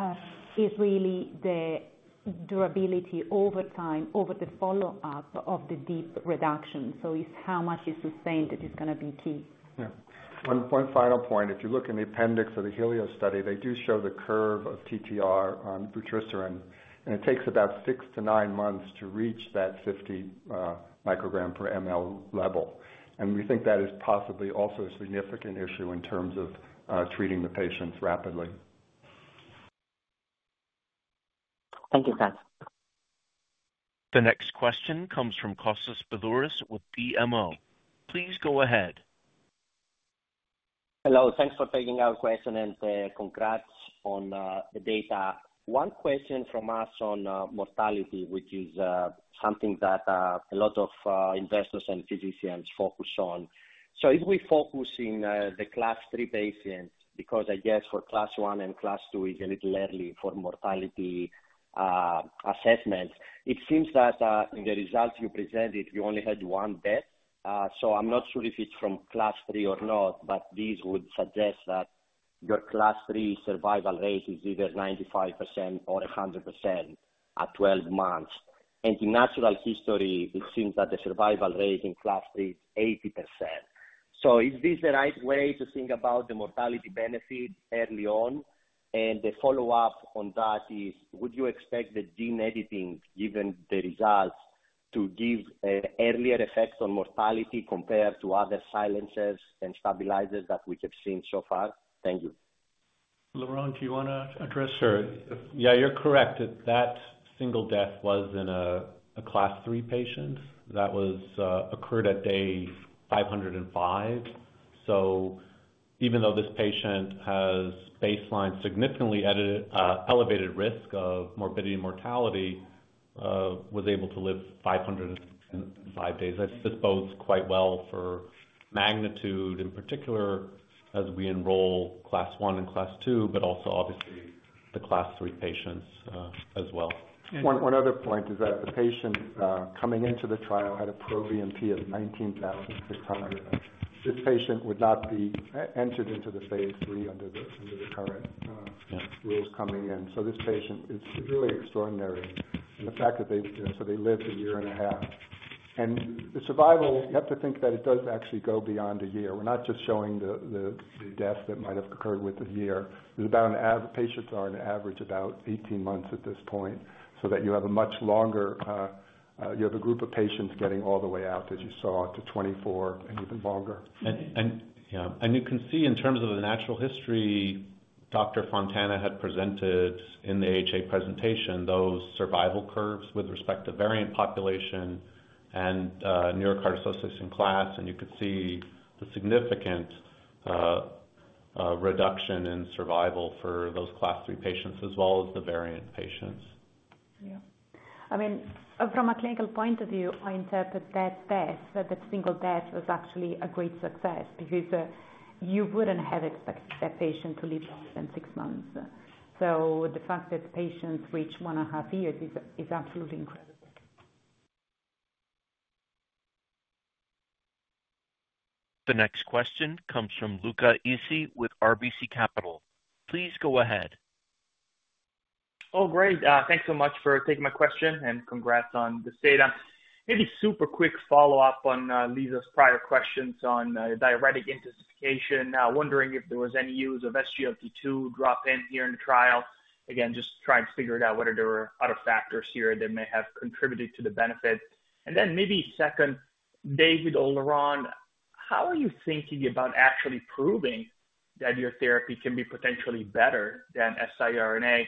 it's really the durability over time, over the follow-up of the deep reduction. So it's how much is sustained that is going to be key. Yeah. One final point. If you look in the appendix of the HELIOS-B study, they do show the curve of TTR on vutrisiran, and it takes about six to nine months to reach that 50 microgram per ml level. And we think that is possibly also a significant issue in terms of treating the patients rapidly. Thank you, sir. The next question comes from Kostas Biliouris with BMO. Please go ahead. Hello. Thanks for taking our question and congrats on the data. One question from us on mortality, which is something that a lot of investors and physicians focus on. So if we focus in the class three patients, because I guess for class one and class two is a little early for mortality assessment, it seems that in the results you presented, you only had one death. So I'm not sure if it's from class three or not, but these would suggest that your class three survival rate is either 95% or 100% at 12 months. In natural history, it seems that the survival rate in class three is 80%. Is this the right way to think about the mortality benefit early on? The follow-up on that is, would you expect the gene editing, given the results, to give an earlier effect on mortality compared to other silencers and stabilizers that we have seen so far? Thank you. Leron, do you want to address? Sure. Yeah. You're correct that that single death was in a Class III patient that occurred at day 505. So even though this patient has baseline significantly elevated risk of morbidity and mortality, was able to live 505 days. That's both quite well for MAGNITUDE, in particular, as we enroll Class I and Class II, but also obviously the Class III patients as well. One other point is that the patient coming into the trial had a proBNP of 19,600. This patient would not be entered into the phase III under the current rules coming in. So this patient is really extraordinary, and the fact that they lived a year and a half, and the survival, you have to think that it does actually go beyond a year. We're not just showing the deaths that might have occurred within a year. The patients are on average about 18 months at this point, so that you have a much longer group of patients getting all the way out, as you saw, to 24 and even longer. You can see in terms of the natural history, Dr. Fontana had presented in the AHA presentation those survival curves with respect to variant population and New York Heart Association class. You could see the significant reduction in survival for those class three patients as well as the variant patients. Yeah. I mean, from a clinical point of view, I interpret that death, that single death, as actually a great success because you wouldn't have expected that patient to live less than six months. So the fact that patients reach one and a half years is absolutely incredible. The next question comes from Luca Issi with RBC Capital. Please go ahead. Oh, great. Thanks so much for taking my question and congrats on the statement. Maybe super quick follow-up on Lisa's prior questions on diuretic intensification. Wondering if there was any use of SGLT2 drop-in here in the trial. Again, just trying to figure it out whether there were other factors here that may have contributed to the benefit. And then maybe second, David or Leron, how are you thinking about actually proving that your therapy can be potentially better than siRNA?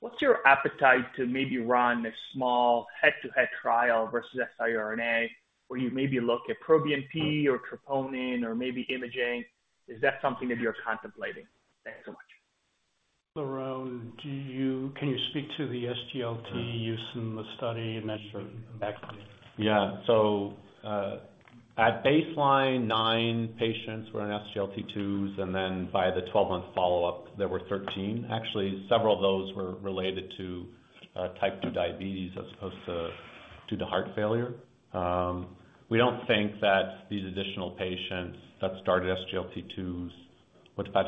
What's your appetite to maybe run a small head-to-head trial versus siRNA where you maybe look at proBNP or troponin or maybe imaging? Is that something that you're contemplating? Thanks so much. Leron, can you speak to the SGLT2 use in the study and that background? Yeah. So at baseline, nine patients were on SGLT2s, and then by the 12-month follow-up, there were 13. Actually, several of those were related to type 2 diabetes as opposed to heart failure. We don't think that these additional patients that started SGLT2s would have had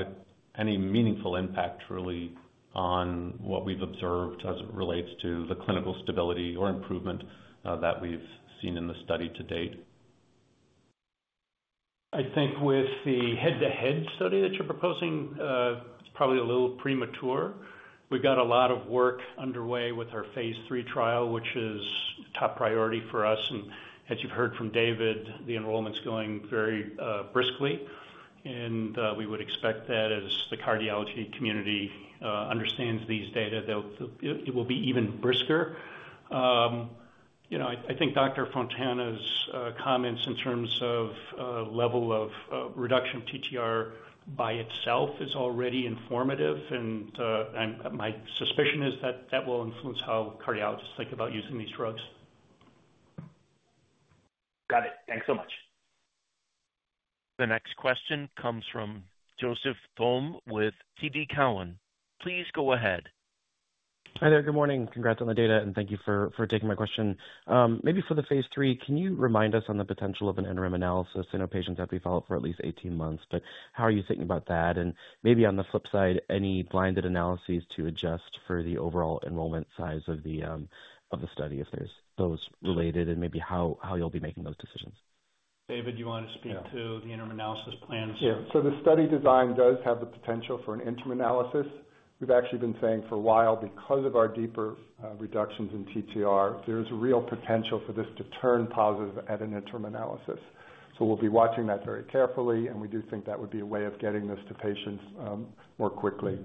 any meaningful impact really on what we've observed as it relates to the clinical stability or improvement that we've seen in the study to date. I think with the head-to-head study that you're proposing, it's probably a little premature. We've got a lot of work underway with our phase three trial, which is top priority for us. And as you've heard from David, the enrollment's going very briskly. And we would expect that as the cardiology community understands these data, it will be even brisker. I think Dr. Fontana's comments in terms of level of reduction of TTR by itself is already informative. And my suspicion is that that will influence how cardiologists think about using these drugs. Got it. Thanks so much. The next question comes from Joseph Thome with TD Cowen. Please go ahead. Hi there. Good morning. Congrats on the data, and thank you for taking my question. Maybe for the phase III, can you remind us on the potential of an interim analysis? I know patients have to be followed for at least 18 months, but how are you thinking about that? And maybe on the flip side, any blinded analyses to adjust for the overall enrollment size of the study if there's those related, and maybe how you'll be making those decisions? David, do you want to speak to the interim analysis plans? Yeah. So the study design does have the potential for an interim analysis. We've actually been saying for a while, because of our deeper reductions in TTR, there is a real potential for this to turn positive at an interim analysis. So we'll be watching that very carefully, and we do think that would be a way of getting this to patients more quickly.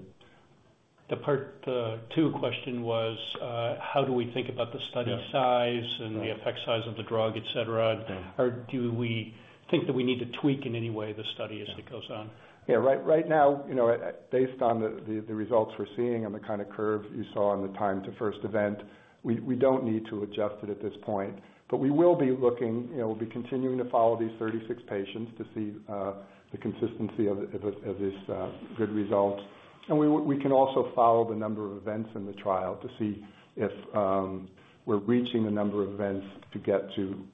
The part two question was, how do we think about the study size and the effect size of the drug, etc.? Or do we think that we need to tweak in any way the study as it goes on? Yeah. Right now, based on the results we're seeing and the kind of curve you saw in the time to first event, we don't need to adjust it at this point. But we will be looking. We'll be continuing to follow these 36 patients to see the consistency of this good result. And we can also follow the number of events in the trial to see if we're reaching the number of events to get to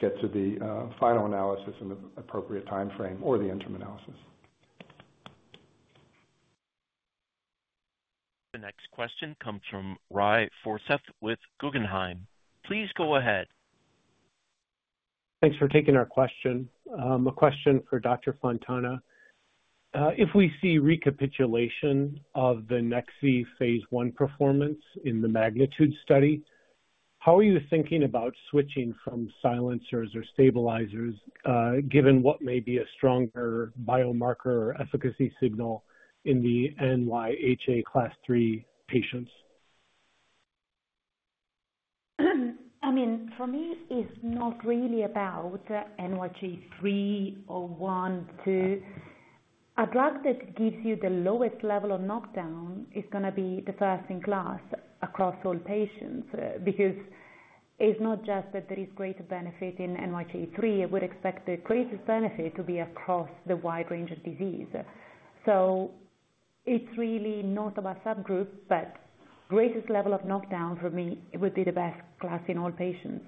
the final analysis in the appropriate timeframe or the interim analysis. The next question comes from Rai Forseth with Guggenheim. Please go ahead. Thanks for taking our question. A question for Dr. Fontana. If we see recapitulation of the Nexi phase I performance in the MAGNITUDE study, how are you thinking about switching from silencers or stabilizers, given what may be a stronger biomarker or efficacy signal in the NYHA class three patients? I mean, for me, it's not really about NYHA 3 or 1, 2. A drug that gives you the lowest level of knockdown is going to be the first in class across all patients because it's not just that there is greater benefit in NYHA 3. I would expect the greatest benefit to be across the wide range of disease. So it's really not about subgroup, but greatest level of knockdown for me would be the best class in all patients.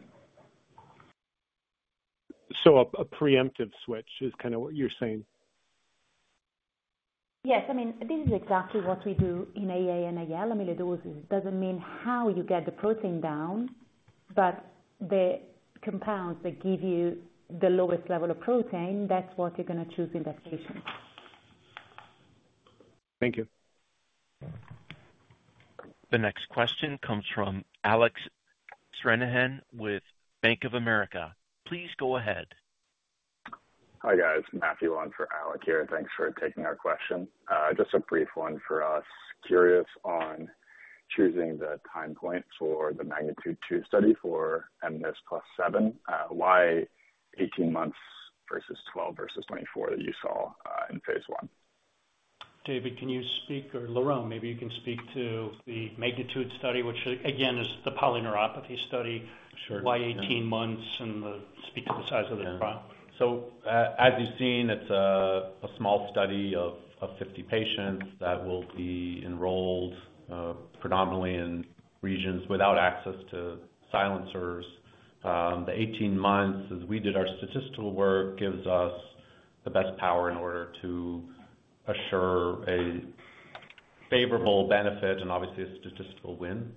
A preemptive switch is kind of what you're saying? Yes. I mean, this is exactly what we do in AA and AL amyloidosis. It doesn't mean how you get the protein down, but the compounds that give you the lowest level of protein, that's what you're going to choose in that patient. Thank you. The next question comes from Alec Stranahan with Bank of America. Please go ahead. Hi guys. Matthew on for Alec here. Thanks for taking our question. Just a brief one for us. Curious on choosing the time point for the MAGNITUDE-2 study for mNIS+7. Why 18 months versus 12 versus 24 that you saw in phase one? David, can you speak or Leron, maybe you can speak to the MAGNITUDE study, which again is the polyneuropathy study. Why 18 months and speak to the size of the trial? As you've seen, it's a small study of 50 patients that will be enrolled predominantly in regions without access to silencers. The 18 months, as we did our statistical work, gives us the best power in order to assure a favorable benefit and obviously a statistical win.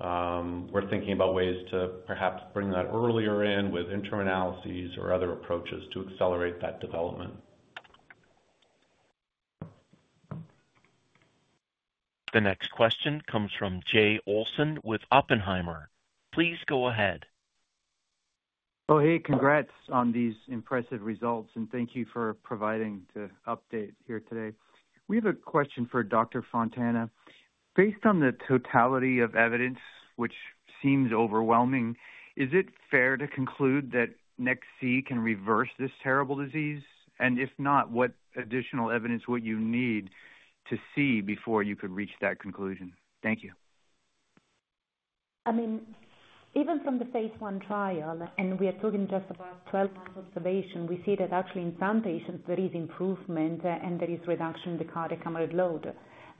We're thinking about ways to perhaps bring that earlier in with interim analyses or other approaches to accelerate that development. The next question comes from Jay Olson with Oppenheimer. Please go ahead. Oh, hey. Congrats on these impressive results, and thank you for providing the update here today. We have a question for Dr. Fontana. Based on the totality of evidence, which seems overwhelming, is it fair to conclude that Nexi can reverse this terrible disease? And if not, what additional evidence would you need to see before you could reach that conclusion? Thank you. I mean, even from the phase one trial, and we are talking just about 12 months observation, we see that actually in some patients, there is improvement and there is reduction in the cardiac amyloid load.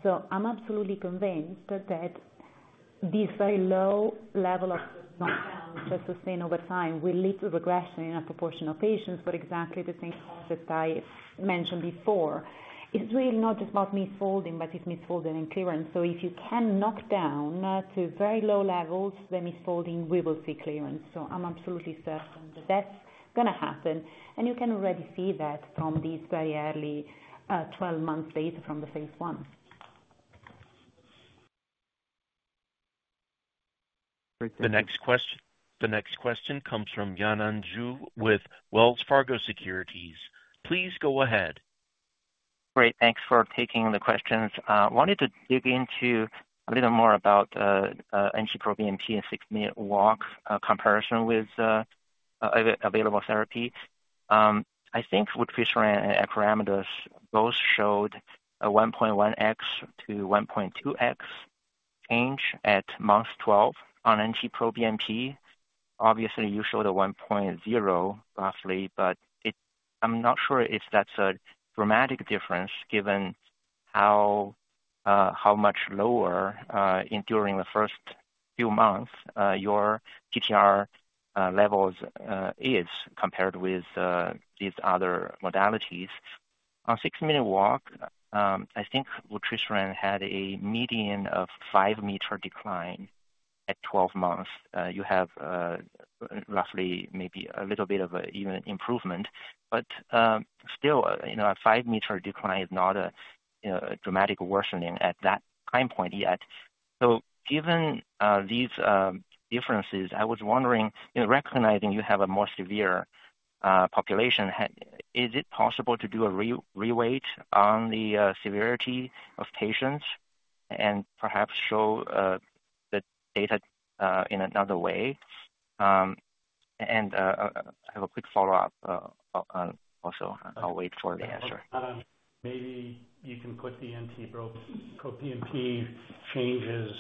So I'm absolutely convinced that these very low levels of knockdown, just sustained over time, will lead to regression in a proportion of patients for exactly the same cause that I mentioned before. It's really not just about misfolding, but it's misfolding and clearance. So if you can knock down to very low levels, the misfolding, we will see clearance. So I'm absolutely certain that that's going to happen. And you can already see that from these very early 12 months data from the phase one. The next question comes from Yanan Zhu with Wells Fargo Securities. Please go ahead. Great. Thanks for taking the questions. I wanted to dig into a little more about NT-proBNP and six-minute walk comparison with available therapy. I think Tafamidis and Acoramidis both showed a 1.1x-1.2x change at month 12 on NT-proBNP. Obviously, you showed a 1.0 roughly, but I'm not sure if that's a dramatic difference given how much lower during the first few months your TTR levels is compared with these other modalities. On six-minute walk, I think Tafamidis had a median of five-meter decline at 12 months. You have roughly maybe a little bit of an even improvement, but still a five-meter decline is not a dramatic worsening at that time point yet. So given these differences, I was wondering, recognizing you have a more severe population, is it possible to do a reweight on the severity of patients and perhaps show the data in another way? And I have a quick follow-up also. I'll wait for the answer. Maybe you can put the NT-proBNP changes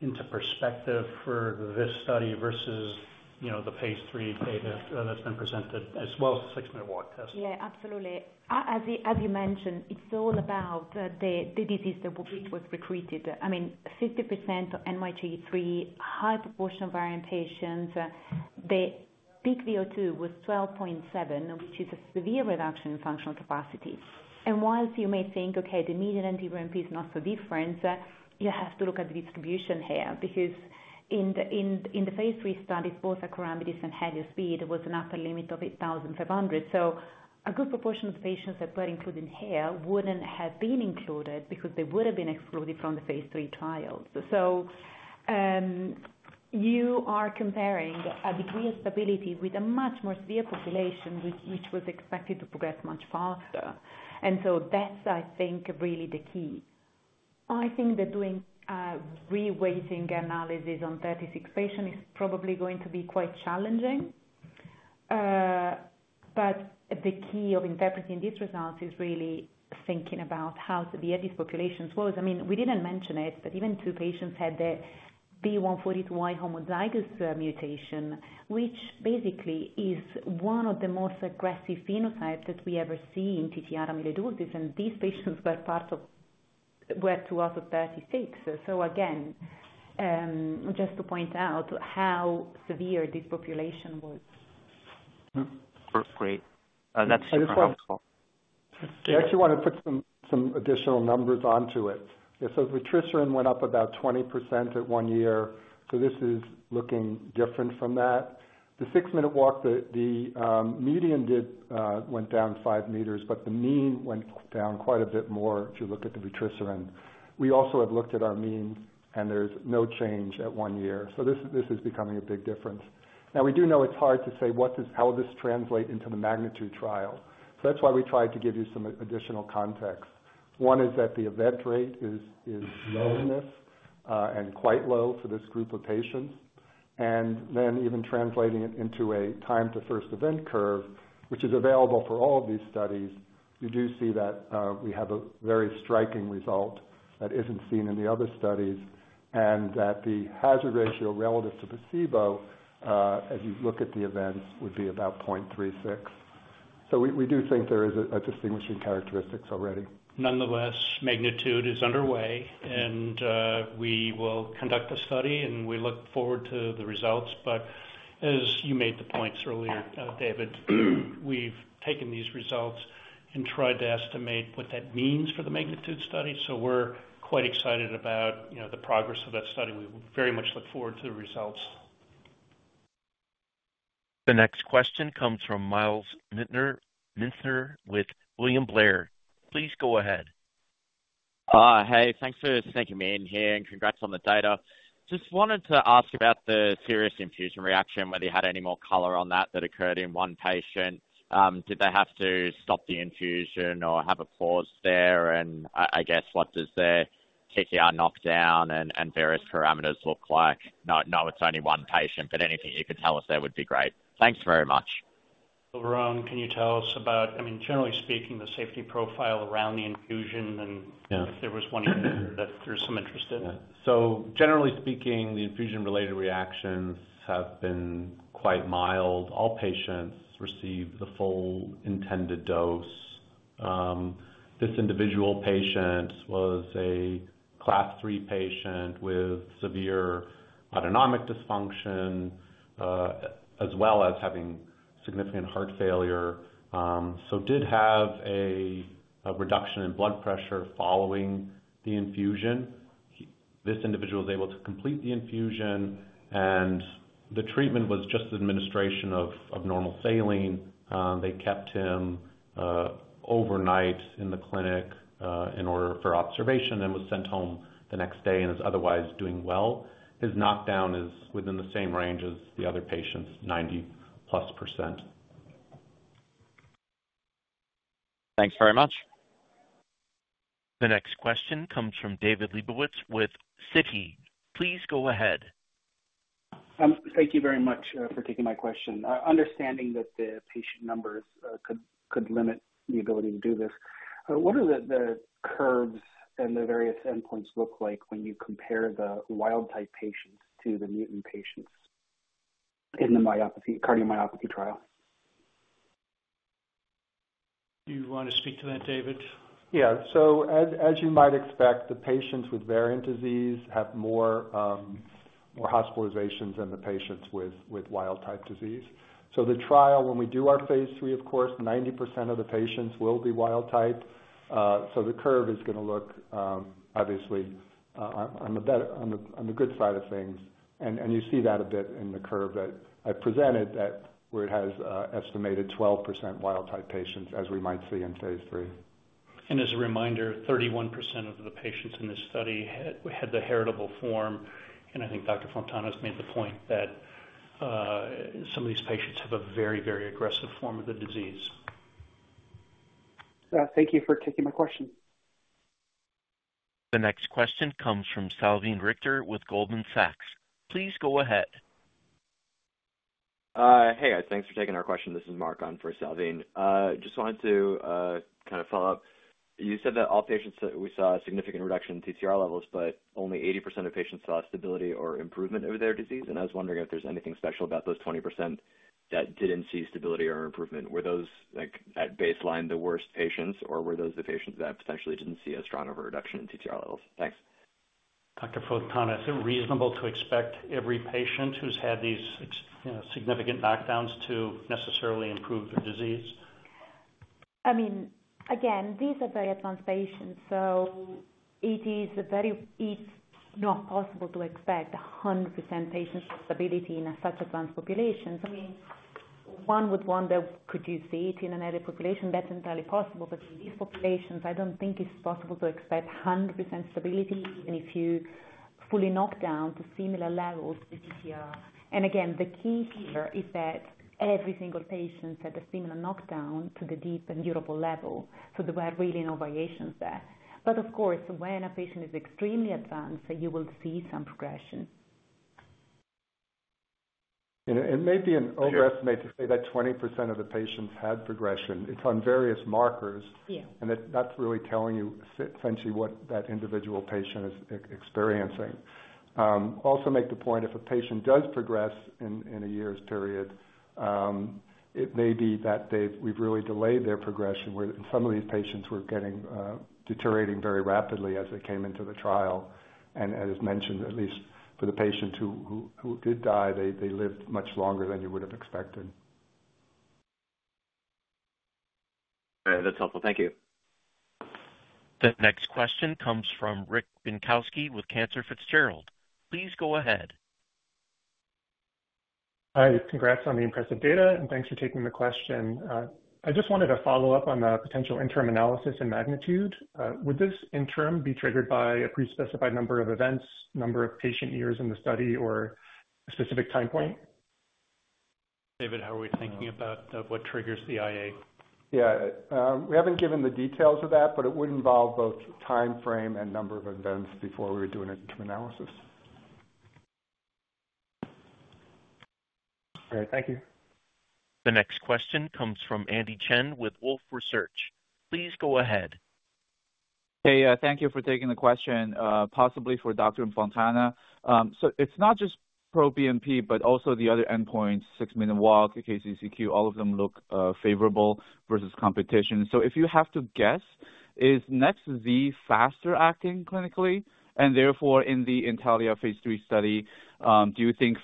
into perspective for this study versus the phase 3 data that's been presented as well as the six-minute walk test. Yeah, absolutely. As you mentioned, it's all about the disease that was retreated. I mean, 50% NYHA 3, high proportion of variant patients. The peak VO2 was 12.7, which is a severe reduction in functional capacity. And while you may think, "Okay, the median and difference is not so different," you have to look at the distribution here because in the phase 3 studies, both Acoramidis and HELIOS-B was an upper limit of 8,500. So a good proportion of the patients that were included here wouldn't have been included because they would have been excluded from the phase 3 trials. You are comparing a degree of stability with a much more severe population, which was expected to progress much faster. And so that's, I think, really the key. I think that doing reweighting analysis on 36 patients is probably going to be quite challenging. But the key of interpreting these results is really thinking about how the baseline these populations was. I mean, we didn't mention it, but even two patients had the V142I homozygous mutation, which basically is one of the most aggressive phenotypes that we ever see in TTR amyloidosis. And these patients were two out of 36. So again, just to point out how severe this population was. Great. That's super helpful. I actually want to put some additional numbers onto it. So NT-proBNP went up about 20% at one year. So this is looking different from that. The six-minute walk, the median went down five meters, but the mean went down quite a bit more if you look at the vutrisiran. And we also have looked at our mean, and there's no change at one year. So this is becoming a big difference. Now, we do know it's hard to say how this translates into the MAGNITUDE trial. So that's why we tried to give you some additional context. One is that the event rate is low in this and quite low for this group of patients. And then even translating it into a time-to-first event curve, which is available for all of these studies, you do see that we have a very striking result that isn't seen in the other studies and that the hazard ratio relative to placebo, as you look at the events, would be about 0.36. So we do think there is a distinguishing characteristic already. Nonetheless, Magnitude is underway, and we will conduct the study, and we look forward to the results. But as you made the points earlier, David, we've taken these results and tried to estimate what that means for the Magnitude study. So we're quite excited about the progress of that study. We very much look forward to the results. The next question comes from Myles Minter with William Blair. Please go ahead. Hi. Thanks for sticking me in here. And congrats on the data. Just wanted to ask about the serious infusion reaction, whether you had any more color on that that occurred in one patient. Did they have to stop the infusion or have a pause there? And I guess, what does the TTR knockdown and various parameters look like? No, it's only one patient, but anything you could tell us there would be great. Thanks very much. Leron, can you tell us about, I mean, generally speaking, the safety profile around the infusion and if there was one that there's some interest in? So generally speaking, the infusion-related reactions have been quite mild. All patients received the full intended dose. This individual patient was a class three patient with severe autonomic dysfunction as well as having significant heart failure. So did have a reduction in blood pressure following the infusion. This individual was able to complete the infusion, and the treatment was just administration of normal saline. They kept him overnight in the clinic in order for observation and was sent home the next day and is otherwise doing well. His knockdown is within the same range as the other patients, 90+%. The next question comes from David Lebowitz with Citi. Please go ahead. Thank you very much for taking my question. Understanding that the patient numbers could limit the ability to do this, what do the curves and the various endpoints look like when you compare the wild-type patients to the mutant patients in the cardiomyopathy trial? Do you want to speak to that, David? Yeah. So as you might expect, the patients with variant disease have more hospitalizations than the patients with wild-type disease. So the trial, when we do our phase 3, of course, 90% of the patients will be wild-type. So the curve is going to look obviously on the good side of things. And you see that a bit in the curve that I presented where it has estimated 12% wild-type patients, as we might see in phase III. As a reminder, 31% of the patients in this study had the heritable form. I think Dr. Fontana's made the point that some of these patients have a very, very aggressive form of the disease. Thank you for taking my question. The next question comes from Salveen Richter with Goldman Sachs. Please go ahead. Hey, guys. Thanks for taking our question. This is Marc on for Salveen. Just wanted to kind of follow up. You said that all patients that we saw a significant reduction in TTR levels, but only 80% of patients saw stability or improvement of their disease. I was wondering if there's anything special about those 20% that didn't see stability or improvement. Were those at baseline the worst patients, or were those the patients that potentially didn't see a stronger reduction in TTR levels? Thanks. Dr. Fontana's, is it reasonable to expect every patient who's had these significant knockdowns to necessarily improve their disease? I mean, again, these are very advanced patients. So it is not possible to expect 100% patient stability in such advanced populations. I mean, one would wonder, could you see it in another population? That's entirely possible. But in these populations, I don't think it's possible to expect 100% stability even if you fully knock down to similar levels with TTR. And again, the key here is that every single patient had a similar knockdown to the deep and durable level. So there were really no variations there. But of course, when a patient is extremely advanced, you will see some progression. It may be an overestimate to say that 20% of the patients had progression. It's on various markers, and that's really telling you essentially what that individual patient is experiencing. Also make the point, if a patient does progress in a year's period, it may be that we've really delayed their progression where some of these patients were deteriorating very rapidly as they came into the trial. And as mentioned, at least for the patients who did die, they lived much longer than you would have expected. That's helpful. Thank you. The next question comes from Rick Bienkowski with Cantor Fitzgerald. Please go ahead. Hi. Congrats on the impressive data, and thanks for taking the question. I just wanted to follow up on the potential interim analysis and MAGNITUDE. Would this interim be triggered by a pre-specified number of events, number of patient years in the study, or a specific time point? David, how are we thinking about what triggers the IA? Yeah. We haven't given the details of that, but it would involve both timeframe and number of events before we were doing an interim analysis. All right. Thank you. The next question comes from Andy Chen with Wolfe Research. Please go ahead. Hey, thank you for taking the question, possibly for Dr. Fontana. So it's not just NT-proBNP, but also the other endpoints, six-minute walk, KCCQ, all of them look favorable versus competition. So if you have to guess, is Nexi faster acting clinically? And therefore, in the Intellia phase three study, do you think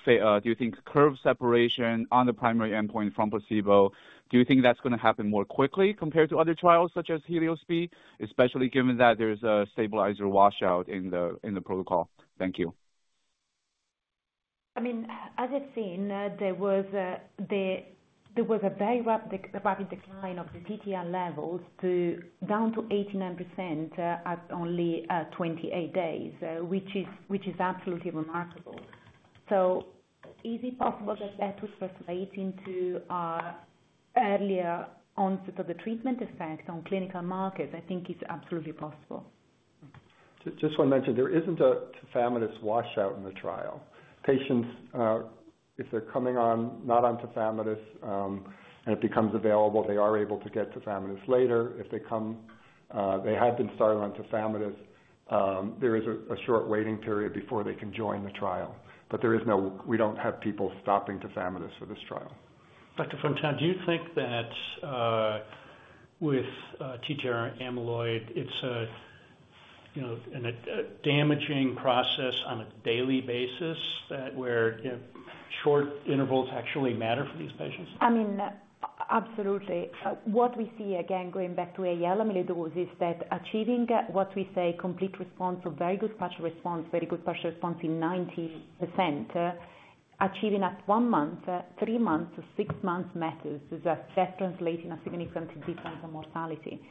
curve separation on the primary endpoint from placebo, do you think that's going to happen more quickly compared to other trials such as HELIOS-B, especially given that there's a stabilizer washout in the protocol? Thank you. I mean, as I've seen, there wasa very rapid decline of the TTR levels down to 89% at only 28 days, which is absolutely remarkable. So is it possible that that would translate into earlier onset of the treatment effect on clinical markers? I think it's absolutely possible. Just want to mention, there isn't a Tafamidis washout in the trial. Patients, if they're coming on not on Tafamidis and it becomes available, they are able to get Tafamidis later. If they had been started on Tafamidis, there is a short waiting period before they can join the trial. But we don't have people stopping Tafamidis for this trial. Dr. Fontana, do you think that with TTR amyloid, it's a damaging process on a daily basis where short intervals actually matter for these patients? I mean, absolutely. What we see, again, going back to AL amyloidosis, that achieving what we say, complete response or very good partial response, very good partial response in 90%, achieving at one month, three months, or six months matters. That's translating a significant difference in mortality.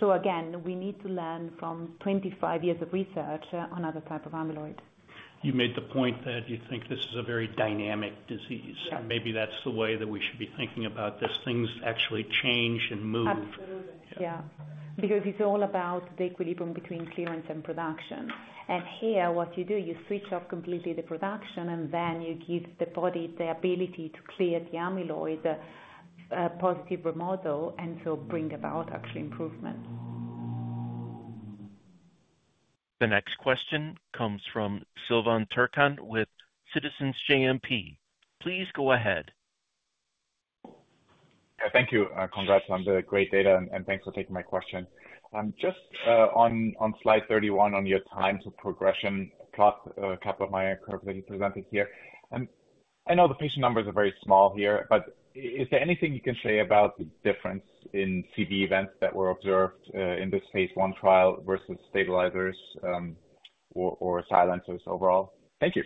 So again, we need to learn from 25 years of research on other types of amyloid. You made the point that you think this is a very dynamic disease. Maybe that's the way that we should be thinking about this. Things actually change and move. Absolutely. Yeah. Because it's all about the equilibrium between clearance and production. And here, what you do, you switch off completely the production, and then you give the body the ability to clear the amyloid, positive remodel, and so bring about actual improvement. The next question comes from Silvan Tuerkcan with Citizens JMP. Please go ahead. Thank you. Congrats on the great data, and thanks for taking my question. Just on slide 31, on your time to progression, plot a couple of my curves that you presented here. And I know the patient numbers are very small here, but is there anything you can say about the difference in CV events that were observed in this phase I trial versus stabilizers or silencers overall? Thank you.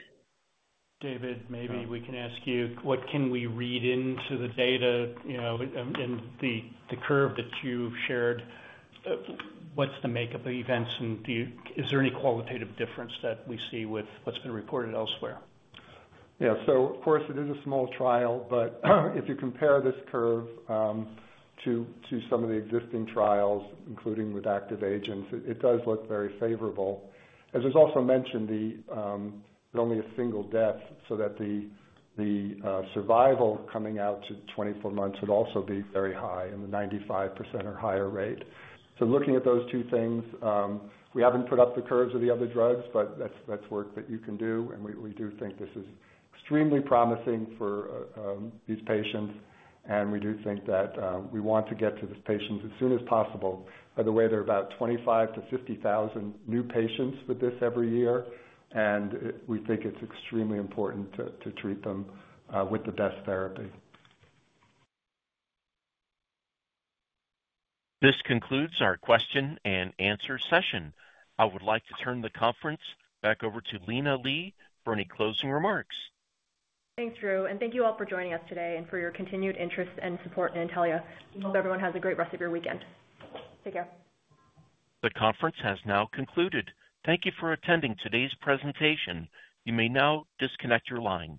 David, maybe we can ask you, what can we read into the data in the curve that you've shared? What's the makeup of events, and is there any qualitative difference that we see with what's been reported elsewhere? Yeah. So of course, it is a small trial, but if you compare this curve to some of the existing trials, including with active agents, it does look very favorable. As was also mentioned, there's only a single death, so that the survival coming out to 24 months would also be very high in the 95% or higher rate. So looking at those two things, we haven't put up the curves of the other drugs, but that's work that you can do. And we do think this is extremely promising for these patients. And we do think that we want to get to the patients as soon as possible. By the way, there are about 25-50,000 new patients with this every year, and we think it's extremely important to treat them with the best therapy. This concludes our question and answer session. I would like to turn the conference back over to Lina Li for any closing remarks. Thanks, Drew. And thank you all for joining us today and for your continued interest and support in Intellia. We hope everyone has a great rest of your weekend. Take care. The conference has now concluded. Thank you for attending today's presentation. You may now disconnect your line.